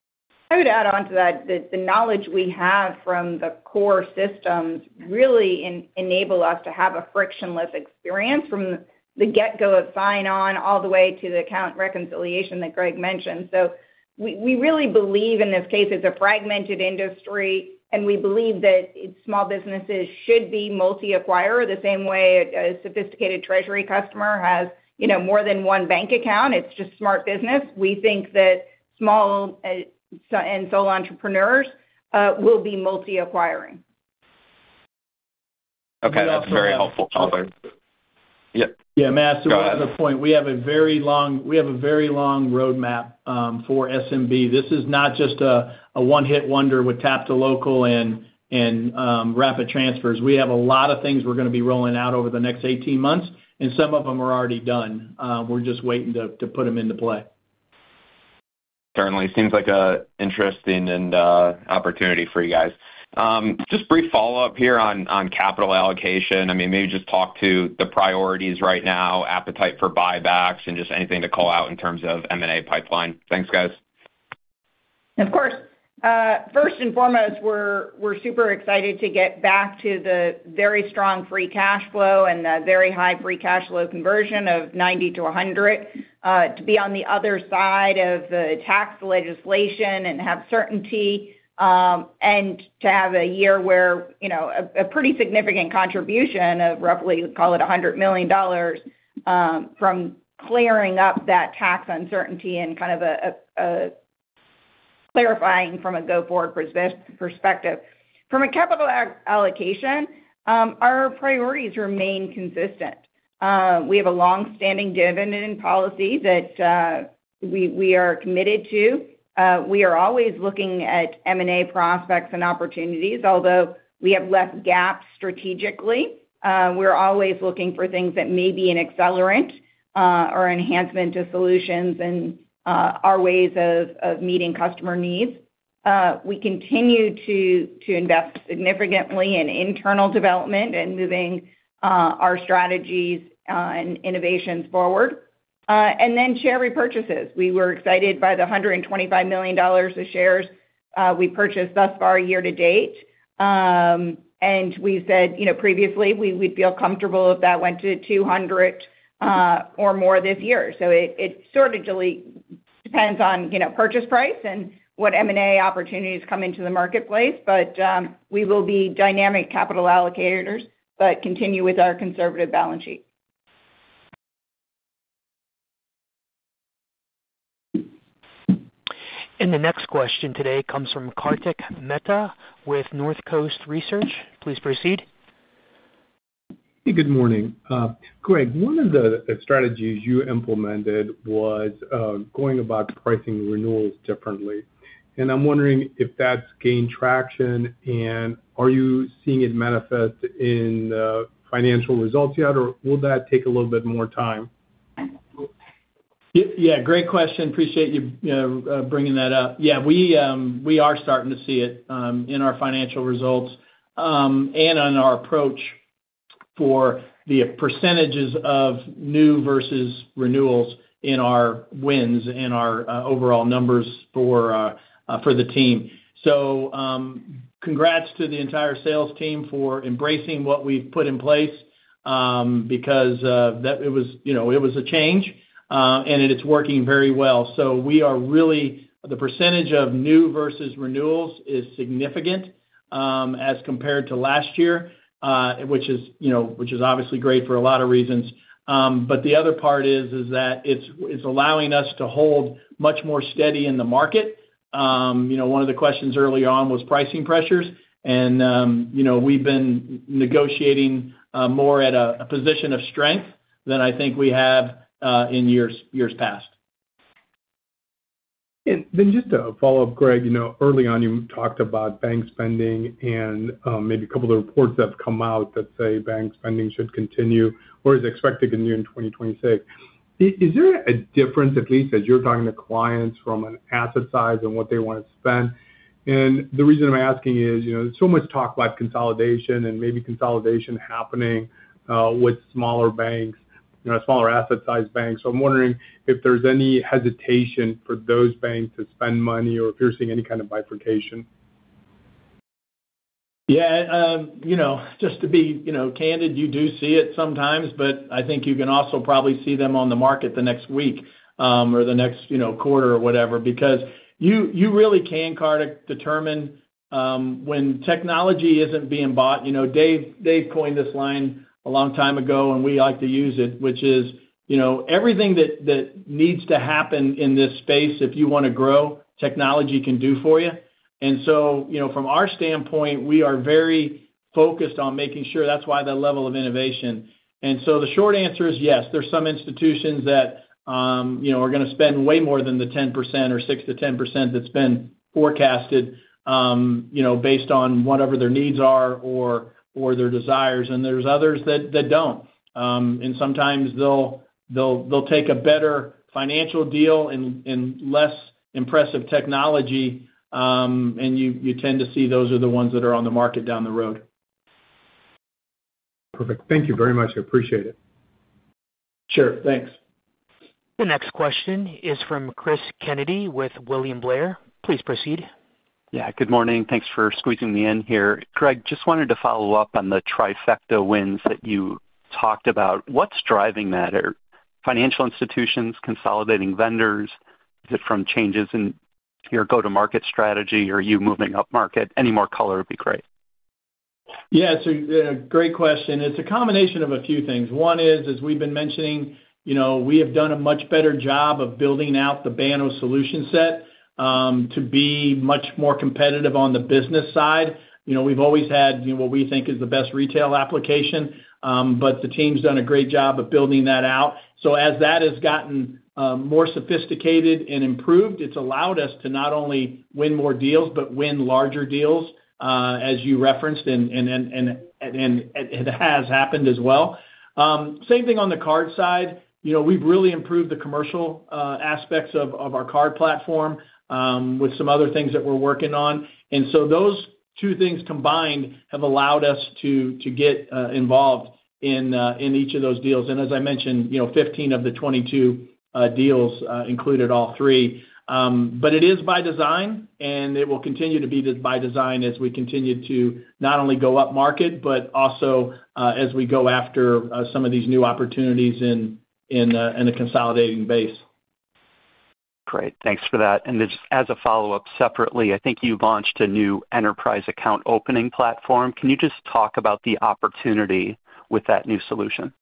I would add on to that, the knowledge we have from the core systems really enable us to have a frictionless experience from the get-go of sign-on all the way to the account reconciliation that Greg mentioned. So we really believe in this case, it's a fragmented industry, and we believe that it's small businesses should be multi-acquirer, the same way a sophisticated treasury customer has, you know, more than one bank account. It's just smart business. We think that small and sole entrepreneurs will be multi-acquiring. Okay, that's very helpful. Yep. Yeah, Madison, another point. Go ahead. We have a very long roadmap for SMB. This is not just a one-hit wonder with Tap2Local and Rapid Transfers. We have a lot of things we're going to be rolling out over the next 18 months, and some of them are already done. We're just waiting to put them into play. Certainly. Seems like an interesting and opportunity for you guys. Just brief follow-up here on capital allocation. I mean, maybe just talk to the priorities right now, appetite for buybacks, and just anything to call out in terms of M&A pipeline. Thanks, guys. Of course, first and foremost, we're super excited to get back to the very strong free cash flow and the very high free cash flow conversion of 90%-100%, to be on the other side of the tax legislation and have certainty, and to have a year where, you know, a pretty significant contribution of roughly, call it $100 million, from clearing up that tax uncertainty and kind of a clarifying from a go-forward perspective. From a capital allocation, our priorities remain consistent. We have a long-standing dividend policy that we are committed to. We are always looking at M&A prospects and opportunities, although we have less gaps strategically. We're always looking for things that may be an accelerant, or enhancement to solutions and our ways of meeting customer needs. We continue to invest significantly in internal development and moving our strategies and innovations forward. And then share repurchases. We were excited by the $125 million of shares we purchased thus far year to date. And we said, you know, previously, we, we'd feel comfortable if that went to 200 or more this year. So it sort of really depends on, you know, purchase price and what M&A opportunities come into the marketplace. But we will be dynamic capital allocators, but continue with our conservative balance sheet. The next question today comes from Kartik Mehta with Northcoast Research. Please proceed. Good morning. Greg, one of the strategies you implemented was going about pricing renewals differently, and I'm wondering if that's gained traction, and are you seeing it manifest in financial results yet, or will that take a little bit more time? Yeah, great question. Appreciate you bringing that up. Yeah, we are starting to see it in our financial results, and on our approach for the percentages of new versus renewals in our wins and our overall numbers for the team. So, congrats to the entire sales team for embracing what we've put in place, because it was, you know, it was a change, and it is working very well. So we are really the percentage of new versus renewals is significant, as compared to last year, which is, you know, which is obviously great for a lot of reasons. But the other part is that it's allowing us to hold much more steady in the market. You know, one of the questions early on was pricing pressures, and, you know, we've been negotiating more at a position of strength than I think we have in years past. And then just a follow-up, Greg. You know, early on, you talked about bank spending and, maybe a couple of the reports that have come out that say bank spending should continue or is expected to continue in 2026. Is, is there a difference, at least as you're talking to clients from an asset size and what they want to spend? And the reason I'm asking is, you know, there's so much talk about consolidation and maybe consolidation happening, with smaller banks, you know, smaller asset size banks. So I'm wondering if there's any hesitation for those banks to spend money, or if you're seeing any kind of bifurcation. Yeah, you know, just to be, you know, candid, you do see it sometimes, but I think you can also probably see them on the market the next week, or the next, you know, quarter or whatever, because you really can, Kartik, determine when technology isn't being bought. You know, Dave, Dave coined this line a long time ago, and we like to use it, which is, you know, everything that needs to happen in this space, if you want to grow, technology can do for you. And so, you know, from our standpoint, we are very focused on making sure that's why the level of innovation. So the short answer is yes, there's some institutions that, you know, are going to spend way more than the 10% or 6%-10% that's been forecasted, you know, based on whatever their needs are or their desires, and there's others that don't. Sometimes they'll take a better financial deal and less impressive technology, and you tend to see those are the ones that are on the market down the road. Perfect. Thank you very much. I appreciate it. Sure. Thanks. The next question is from Chris Kennedy with William Blair. Please proceed. Yeah, good morning. Thanks for squeezing me in here. Greg, just wanted to follow up on the trifecta wins that you talked about. What's driving that? Are financial institutions consolidating vendors? Is it from changes in your go-to-market strategy, or are you moving up market? Any more color would be great. Yeah, it's a great question. It's a combination of a few things. One is, as we've been mentioning, you know, we have done a much better job of building out the Banno solution set to be much more competitive on the business side. You know, we've always had, you know, what we think is the best retail application, but the team's done a great job of building that out. So as that has gotten more sophisticated and improved, it's allowed us to not only win more deals, but win larger deals, as you referenced, and it has happened as well. Same thing on the card side. You know, we've really improved the commercial aspects of our card platform with some other things that we're working on. And so those two things combined have allowed us to get involved in each of those deals. And as I mentioned, you know, 15 of the 22 deals included all three. But it is by design, and it will continue to be by design as we continue to not only go up market, but also as we go after some of these new opportunities in the consolidating base. Great. Thanks for that. Just as a follow-up, separately, I think you've launched a new enterprise account opening platform. Can you just talk about the opportunity with that new solution?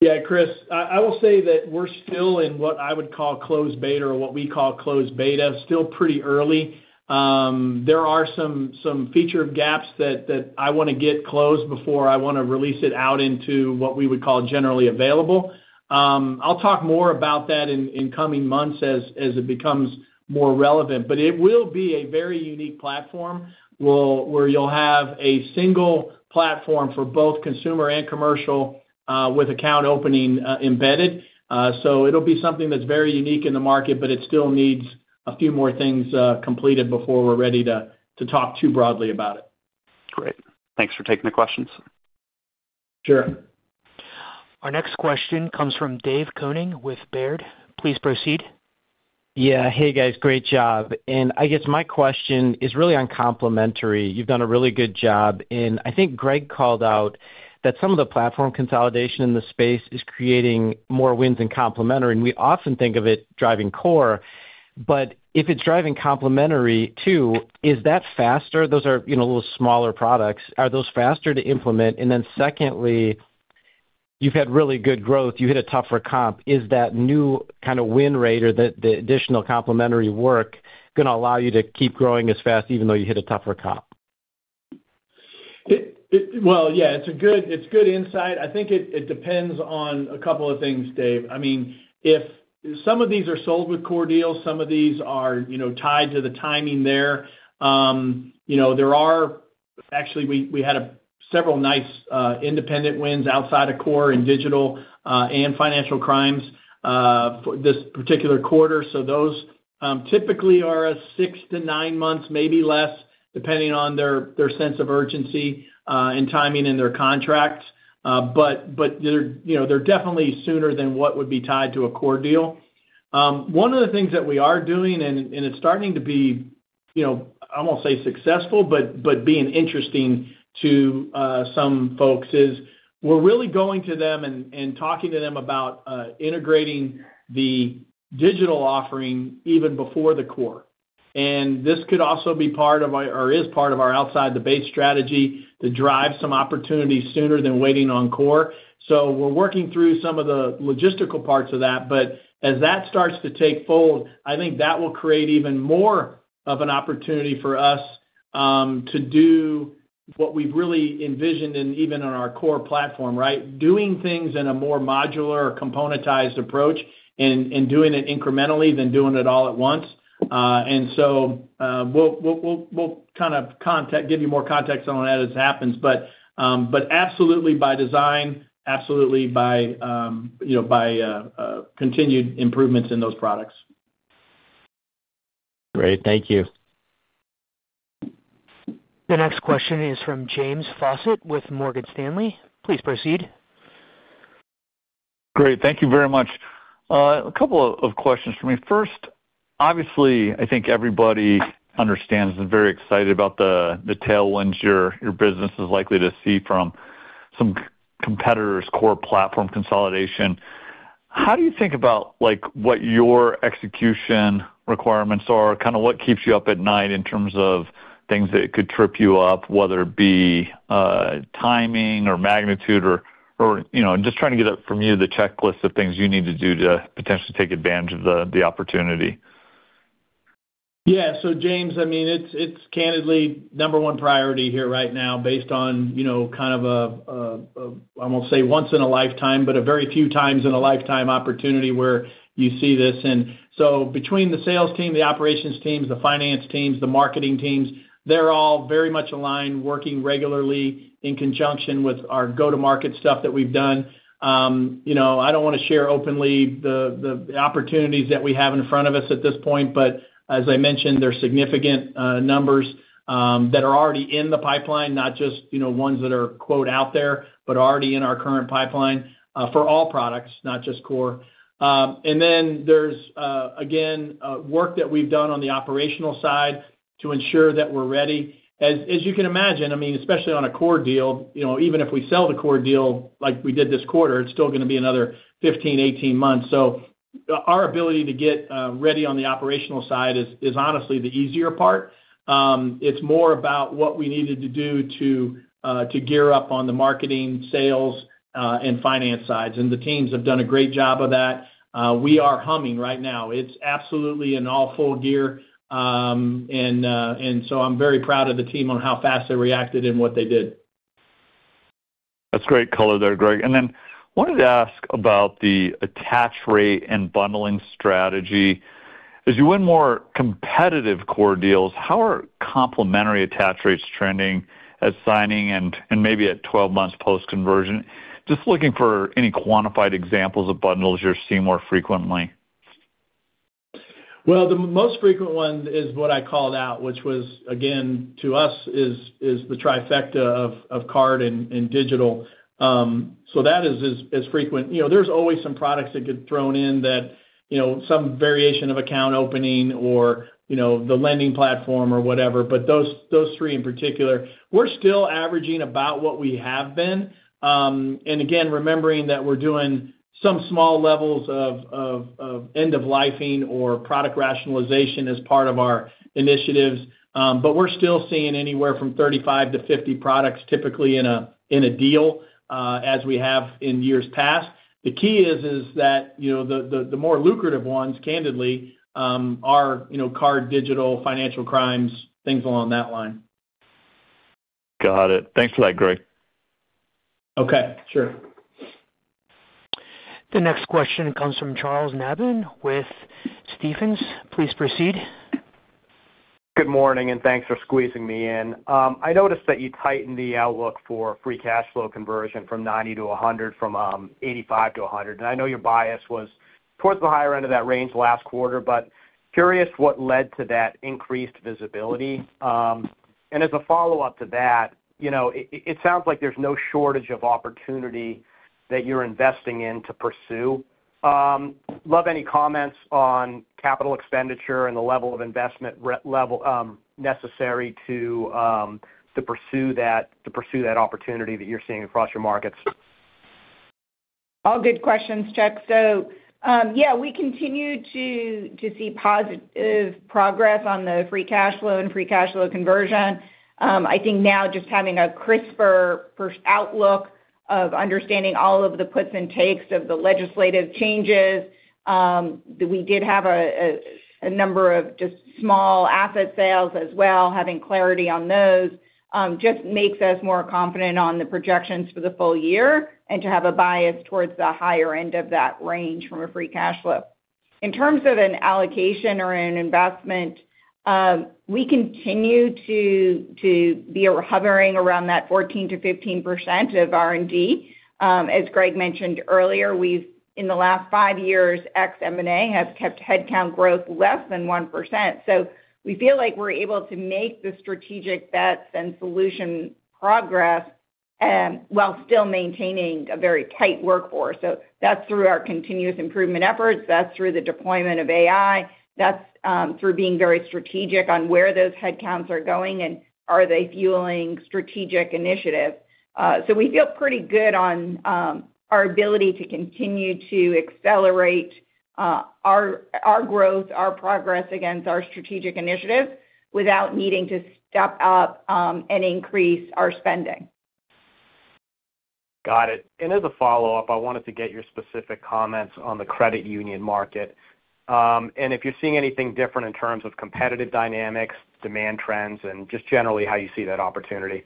Yeah, Chris, I will say that we're still in what I would call closed beta, or what we call closed beta, still pretty early. There are some feature gaps that I want to get closed before I want to release it out into what we would call generally available. I'll talk more about that in coming months as it becomes more relevant. But it will be a very unique platform, where you'll have a single platform for both consumer and commercial, with account opening embedded. So it'll be something that's very unique in the market, but it still needs a few more things completed before we're ready to talk too broadly about it. Great. Thanks for taking the questions. Sure. Our next question comes from Dave Koning with Baird. Please proceed. Yeah. Hey, guys, great job. I guess my question is really on complementary. You've done a really good job, and I think Greg called out that some of the platform consolidation in the space is creating more wins in complementary, and we often think of it driving core. But if it's driving complementary, too, is that faster? Those are, you know, a little smaller products. Are those faster to implement? And then secondly, you've had really good growth. You hit a tougher comp. Is that new kind of win rate or the additional complementary work going to allow you to keep growing as fast, even though you hit a tougher comp? Well, yeah, it's good insight. I think it depends on a couple of things, Dave. I mean, if some of these are sold with core deals, some of these are, you know, tied to the timing there. You know, there are actually we had several nice independent wins outside of core and digital and financial crimes for this particular quarter. So those typically are 6-9 months, maybe less, depending on their sense of urgency and timing in their contracts. But they're, you know, they're definitely sooner than what would be tied to a core deal. One of the things that we are doing, and, and it's starting to be, you know, I won't say successful, but, but being interesting to some folks, is we're really going to them and, and talking to them about integrating the digital offering even before the core. And this could also be part of our, or is part of our outside the base strategy to drive some opportunities sooner than waiting on core. So we're working through some of the logistical parts of that, but as that starts to take fold, I think that will create even more of an opportunity for us to do what we've really envisioned in, even on our core platform, right? Doing things in a more modular or componentized approach and, and doing it incrementally than doing it all at once. So, we'll kind of give you more context on that as it happens. But absolutely by design, absolutely by, you know, by continued improvements in those products. Great. Thank you. The next question is from James Faucette with Morgan Stanley. Please proceed. Great. Thank you very much. A couple of questions for me. First, obviously, I think everybody understands and very excited about the tailwinds your business is likely to see from some competitors' core platform consolidation. How do you think about, like, what your execution requirements are? Kind of what keeps you up at night in terms of things that could trip you up, whether it be timing or magnitude or, you know, just trying to get it from you, the checklist of things you need to do to potentially take advantage of the opportunity. Yeah. So, James, I mean, it's candidly number one priority here right now based on, you know, kind of a I won't say once in a lifetime, but a very few times in a lifetime opportunity where you see this. And so between the sales team, the operations teams, the finance teams, the marketing teams, they're all very much aligned, working regularly in conjunction with our go-to-market stuff that we've done. You know, I don't want to share openly the opportunities that we have in front of us at this point, but as I mentioned, there are significant numbers that are already in the pipeline, not just, you know, ones that are, quote, out there, but already in our current pipeline for all products, not just core. And then there's again work that we've done on the operational side to ensure that we're ready. As you can imagine, I mean, especially on a core deal, you know, even if we sell the core deal like we did this quarter, it's still going to be another 15-18 months. So our ability to get ready on the operational side is honestly the easier part. It's more about what we needed to do to gear up on the marketing, sales, and finance sides, and the teams have done a great job of that. We are humming right now. It's absolutely in all full gear. And so I'm very proud of the team on how fast they reacted and what they did. That's great color there, Greg. And then wanted to ask about the attach rate and bundling strategy. As you win more competitive core deals, how are complementary attach rates trending at signing and maybe at 12 months post-conversion? Just looking for any quantified examples of bundles you're seeing more frequently. Well, the most frequent one is what I called out, which was, again, to us, is the trifecta of card and digital. So that is frequent. You know, there's always some products that get thrown in that, you know, some variation of account opening or, you know, the lending platform or whatever, but those three in particular. We're still averaging about what we have been. And again, remembering that we're doing some small levels of end-of-lifing or product rationalization as part of our initiatives. But we're still seeing anywhere from 35-50 products, typically in a deal, as we have in years past. The key is that, you know, the more lucrative ones, candidly, are, you know, card, digital, financial crimes, things along that line. Got it. Thanks for that, Greg. Okay, sure. The next question comes from Charles Nabhan with Stephens. Please proceed. Good morning, and thanks for squeezing me in. I noticed that you tightened the outlook for free cash flow conversion from 90-100, from 85-100. And I know your bias was towards the higher end of that range last quarter, but curious what led to that increased visibility. And as a follow-up to that, you know, it sounds like there's no shortage of opportunity that you're investing in to pursue. Love any comments on capital expenditure and the level of investment necessary to pursue that opportunity that you're seeing across your markets. All good questions, Chuck. So, yeah, we continue to see positive progress on the free cash flow and free cash flow conversion. I think now just having a crisper first outlook of understanding all of the puts and takes of the legislative changes, that we did have a number of just small asset sales as well, having clarity on those, just makes us more confident on the projections for the full year and to have a bias towards the higher end of that range from a free cash flow. In terms of an allocation or an investment, we continue to be hovering around that 14%-15% of R&D. As Greg mentioned earlier, we've, in the last 5 years, ex M&A, have kept headcount growth less than 1%. So we feel like we're able to make the strategic bets and solution progress, while still maintaining a very tight workforce. So that's through our continuous improvement efforts, that's through the deployment of AI, that's through being very strategic on where those headcounts are going and are they fueling strategic initiatives. So we feel pretty good on our ability to continue to accelerate our growth, our progress against our strategic initiatives without needing to step up and increase our spending. Got it. As a follow-up, I wanted to get your specific comments on the credit union market, and if you're seeing anything different in terms of competitive dynamics, demand trends, and just generally how you see that opportunity.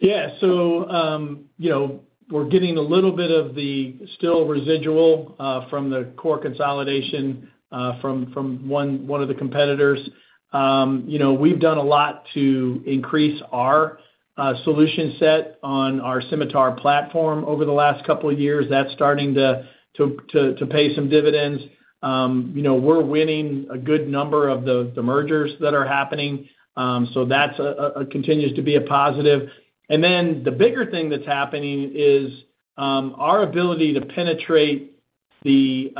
Yeah. So, you know, we're getting a little bit of the still residual from the core consolidation from one of the competitors. You know, we've done a lot to increase our solution set on our Symitar platform over the last couple of years. That's starting to pay some dividends. You know, we're winning a good number of the mergers that are happening, so that continues to be a positive. And then, the bigger thing that's happening is our ability to penetrate the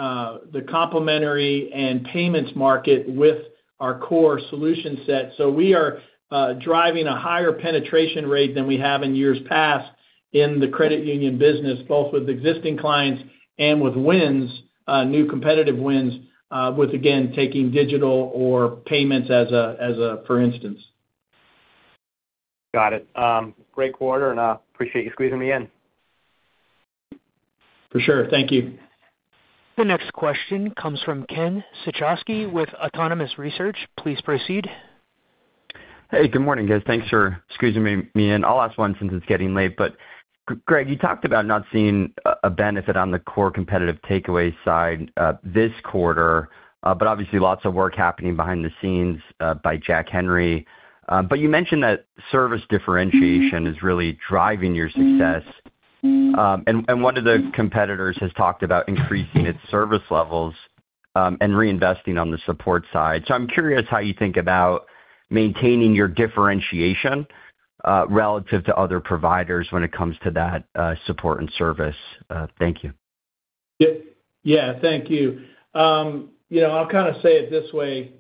complementary and payments market with our core solution set. So we are driving a higher penetration rate than we have in years past in the credit union business, both with existing clients and with wins, new competitive wins, with, again, taking digital or payments as a for instance. Got it. Great quarter, and appreciate you squeezing me in. For sure. Thank you. The next question comes from Ken Suchoski with Autonomous Research. Please proceed. Hey, good morning, guys. Thanks for squeezing me in. I'll ask one since it's getting late. But Greg, you talked about not seeing a benefit on the core competitive takeaway side this quarter, but obviously lots of work happening behind the scenes by Jack Henry. But you mentioned that service differentiation is really driving your success. And one of the competitors has talked about increasing its service levels and reinvesting on the support side. So I'm curious how you think about maintaining your differentiation relative to other providers when it comes to that support and service. Thank you. Yeah. Thank you. You know, I'll kind of say it this way.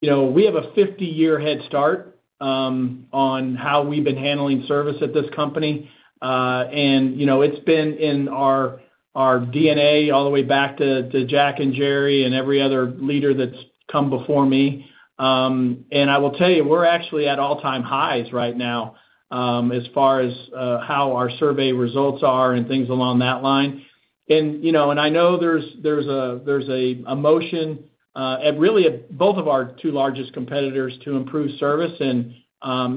You know, we have a 50-year head start on how we've been handling service at this company. And, you know, it's been in our DNA all the way back to Jack and Jerry and every other leader that's come before me. And I will tell you, we're actually at all-time highs right now, as far as how our survey results are and things along that line. And, you know, and I know there's a motion at really both of our two largest competitors to improve service, and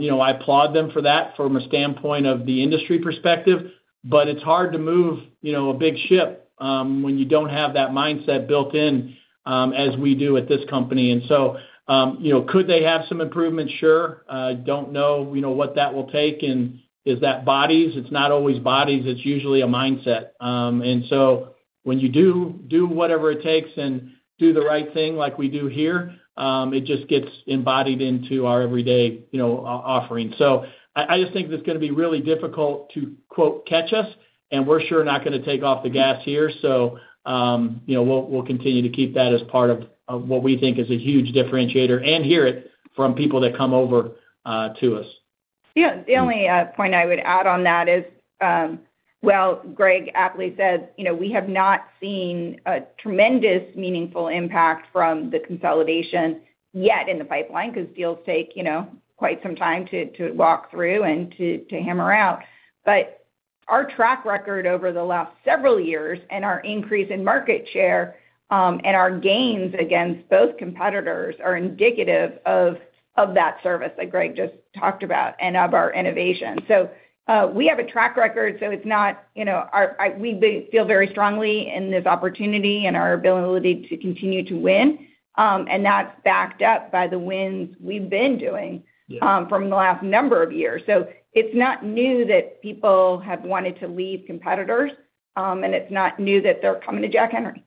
you know, I applaud them for that from a standpoint of the industry perspective, but it's hard to move, you know, a big ship, when you don't have that mindset built in, as we do at this company. And so, you know, could they have some improvements? Sure. Don't know, you know, what that will take and is that bodies? It's not always bodies, it's usually a mindset. And so when you do whatever it takes and do the right thing like we do here, it just gets embodied into our everyday, you know, offering. So I just think it's gonna be really difficult to, quote, "catch us," and we're sure not gonna take off the gas here. So, you know, we'll continue to keep that as part of what we think is a huge differentiator and hear it from people that come over to us. Yeah. The only point I would add on that is, well, Greg aptly said, you know, we have not seen a tremendous, meaningful impact from the consolidation yet in the pipeline, 'cause deals take, you know, quite some time to walk through and to hammer out. But our track record over the last several years and our increase in market share and our gains against both competitors are indicative of that service that Greg just talked about and of our innovation. So, we have a track record, so it's not, you know, we feel very strongly in this opportunity and our ability to continue to win. And that's backed up by the wins we've been doing. From the last number of years. So it's not new that people have wanted to leave competitors, and it's not new that they're coming to Jack Henry.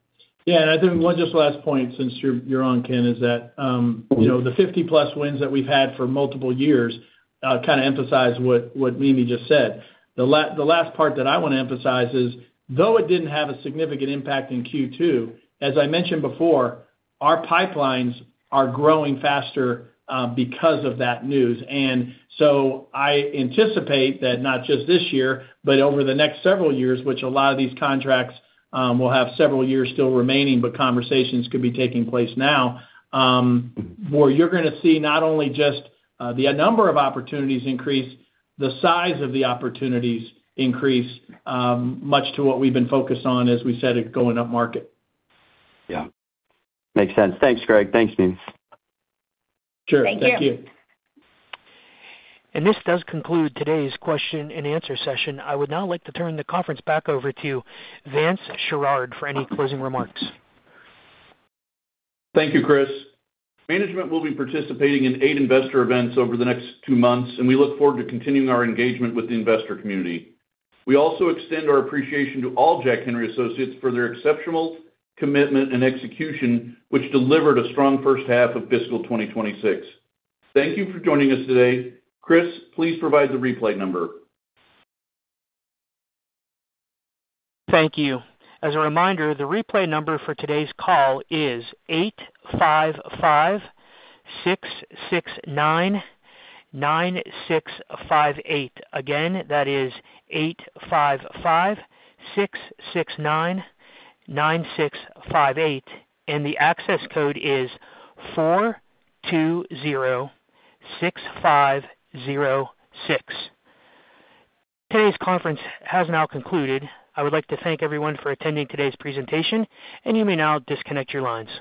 Yeah, and I think one just last point, since you're on, Ken, is that, you know, the 50-plus wins that we've had for multiple years kinda emphasize what Mimi just said. The last part that I wanna emphasize is, though it didn't have a significant impact in Q2, as I mentioned before, our pipelines are growing faster because of that news. And so I anticipate that not just this year, but over the next several years, which a lot of these contracts will have several years still remaining, but conversations could be taking place now, where you're gonna see not only just the number of opportunities increase, the size of the opportunities increase, much to what we've been focused on, as we said, going upmarket. Yeah. Makes sense. Thanks, Greg. Thanks, Mimi. Sure. Thank you. Thank you. This does conclude today's question and answer session. I would now like to turn the conference back over to Vance Sherard for any closing remarks. Thank you, Chris. Management will be participating in 8 investor events over the next 2 months, and we look forward to continuing our engagement with the investor community. We also extend our appreciation to all Jack Henry associates for their exceptional commitment and execution, which delivered a strong first half of fiscal 2026. Thank you for joining us today. Chris, please provide the replay number. Thank you. As a reminder, the replay number for today's call is 855-669-9658. Again, that is 855-669-9658, and the access code is 420-6506. Today's conference has now concluded. I would like to thank everyone for attending today's presentation, and you may now disconnect your lines.